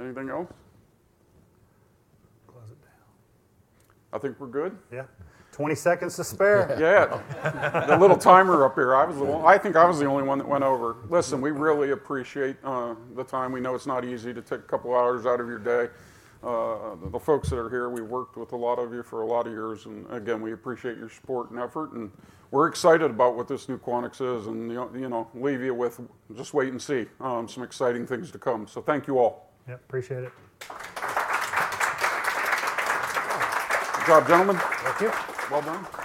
Anything else? Close it down. I think we're good. Yeah. 20 seconds to spare. Yeah. The little timer up here. I think I was the only one that went over. Listen, we really appreciate the time. We know it's not easy to take a couple of hours out of your day. The folks that are here, we've worked with a lot of you for a lot of years. And again, we appreciate your support and effort. And we're excited about what this new Quanex is and leave you with just wait and see some exciting things to come. So thank you all. Yep. Appreciate it. Good job, gentlemen. Thank you. Well done.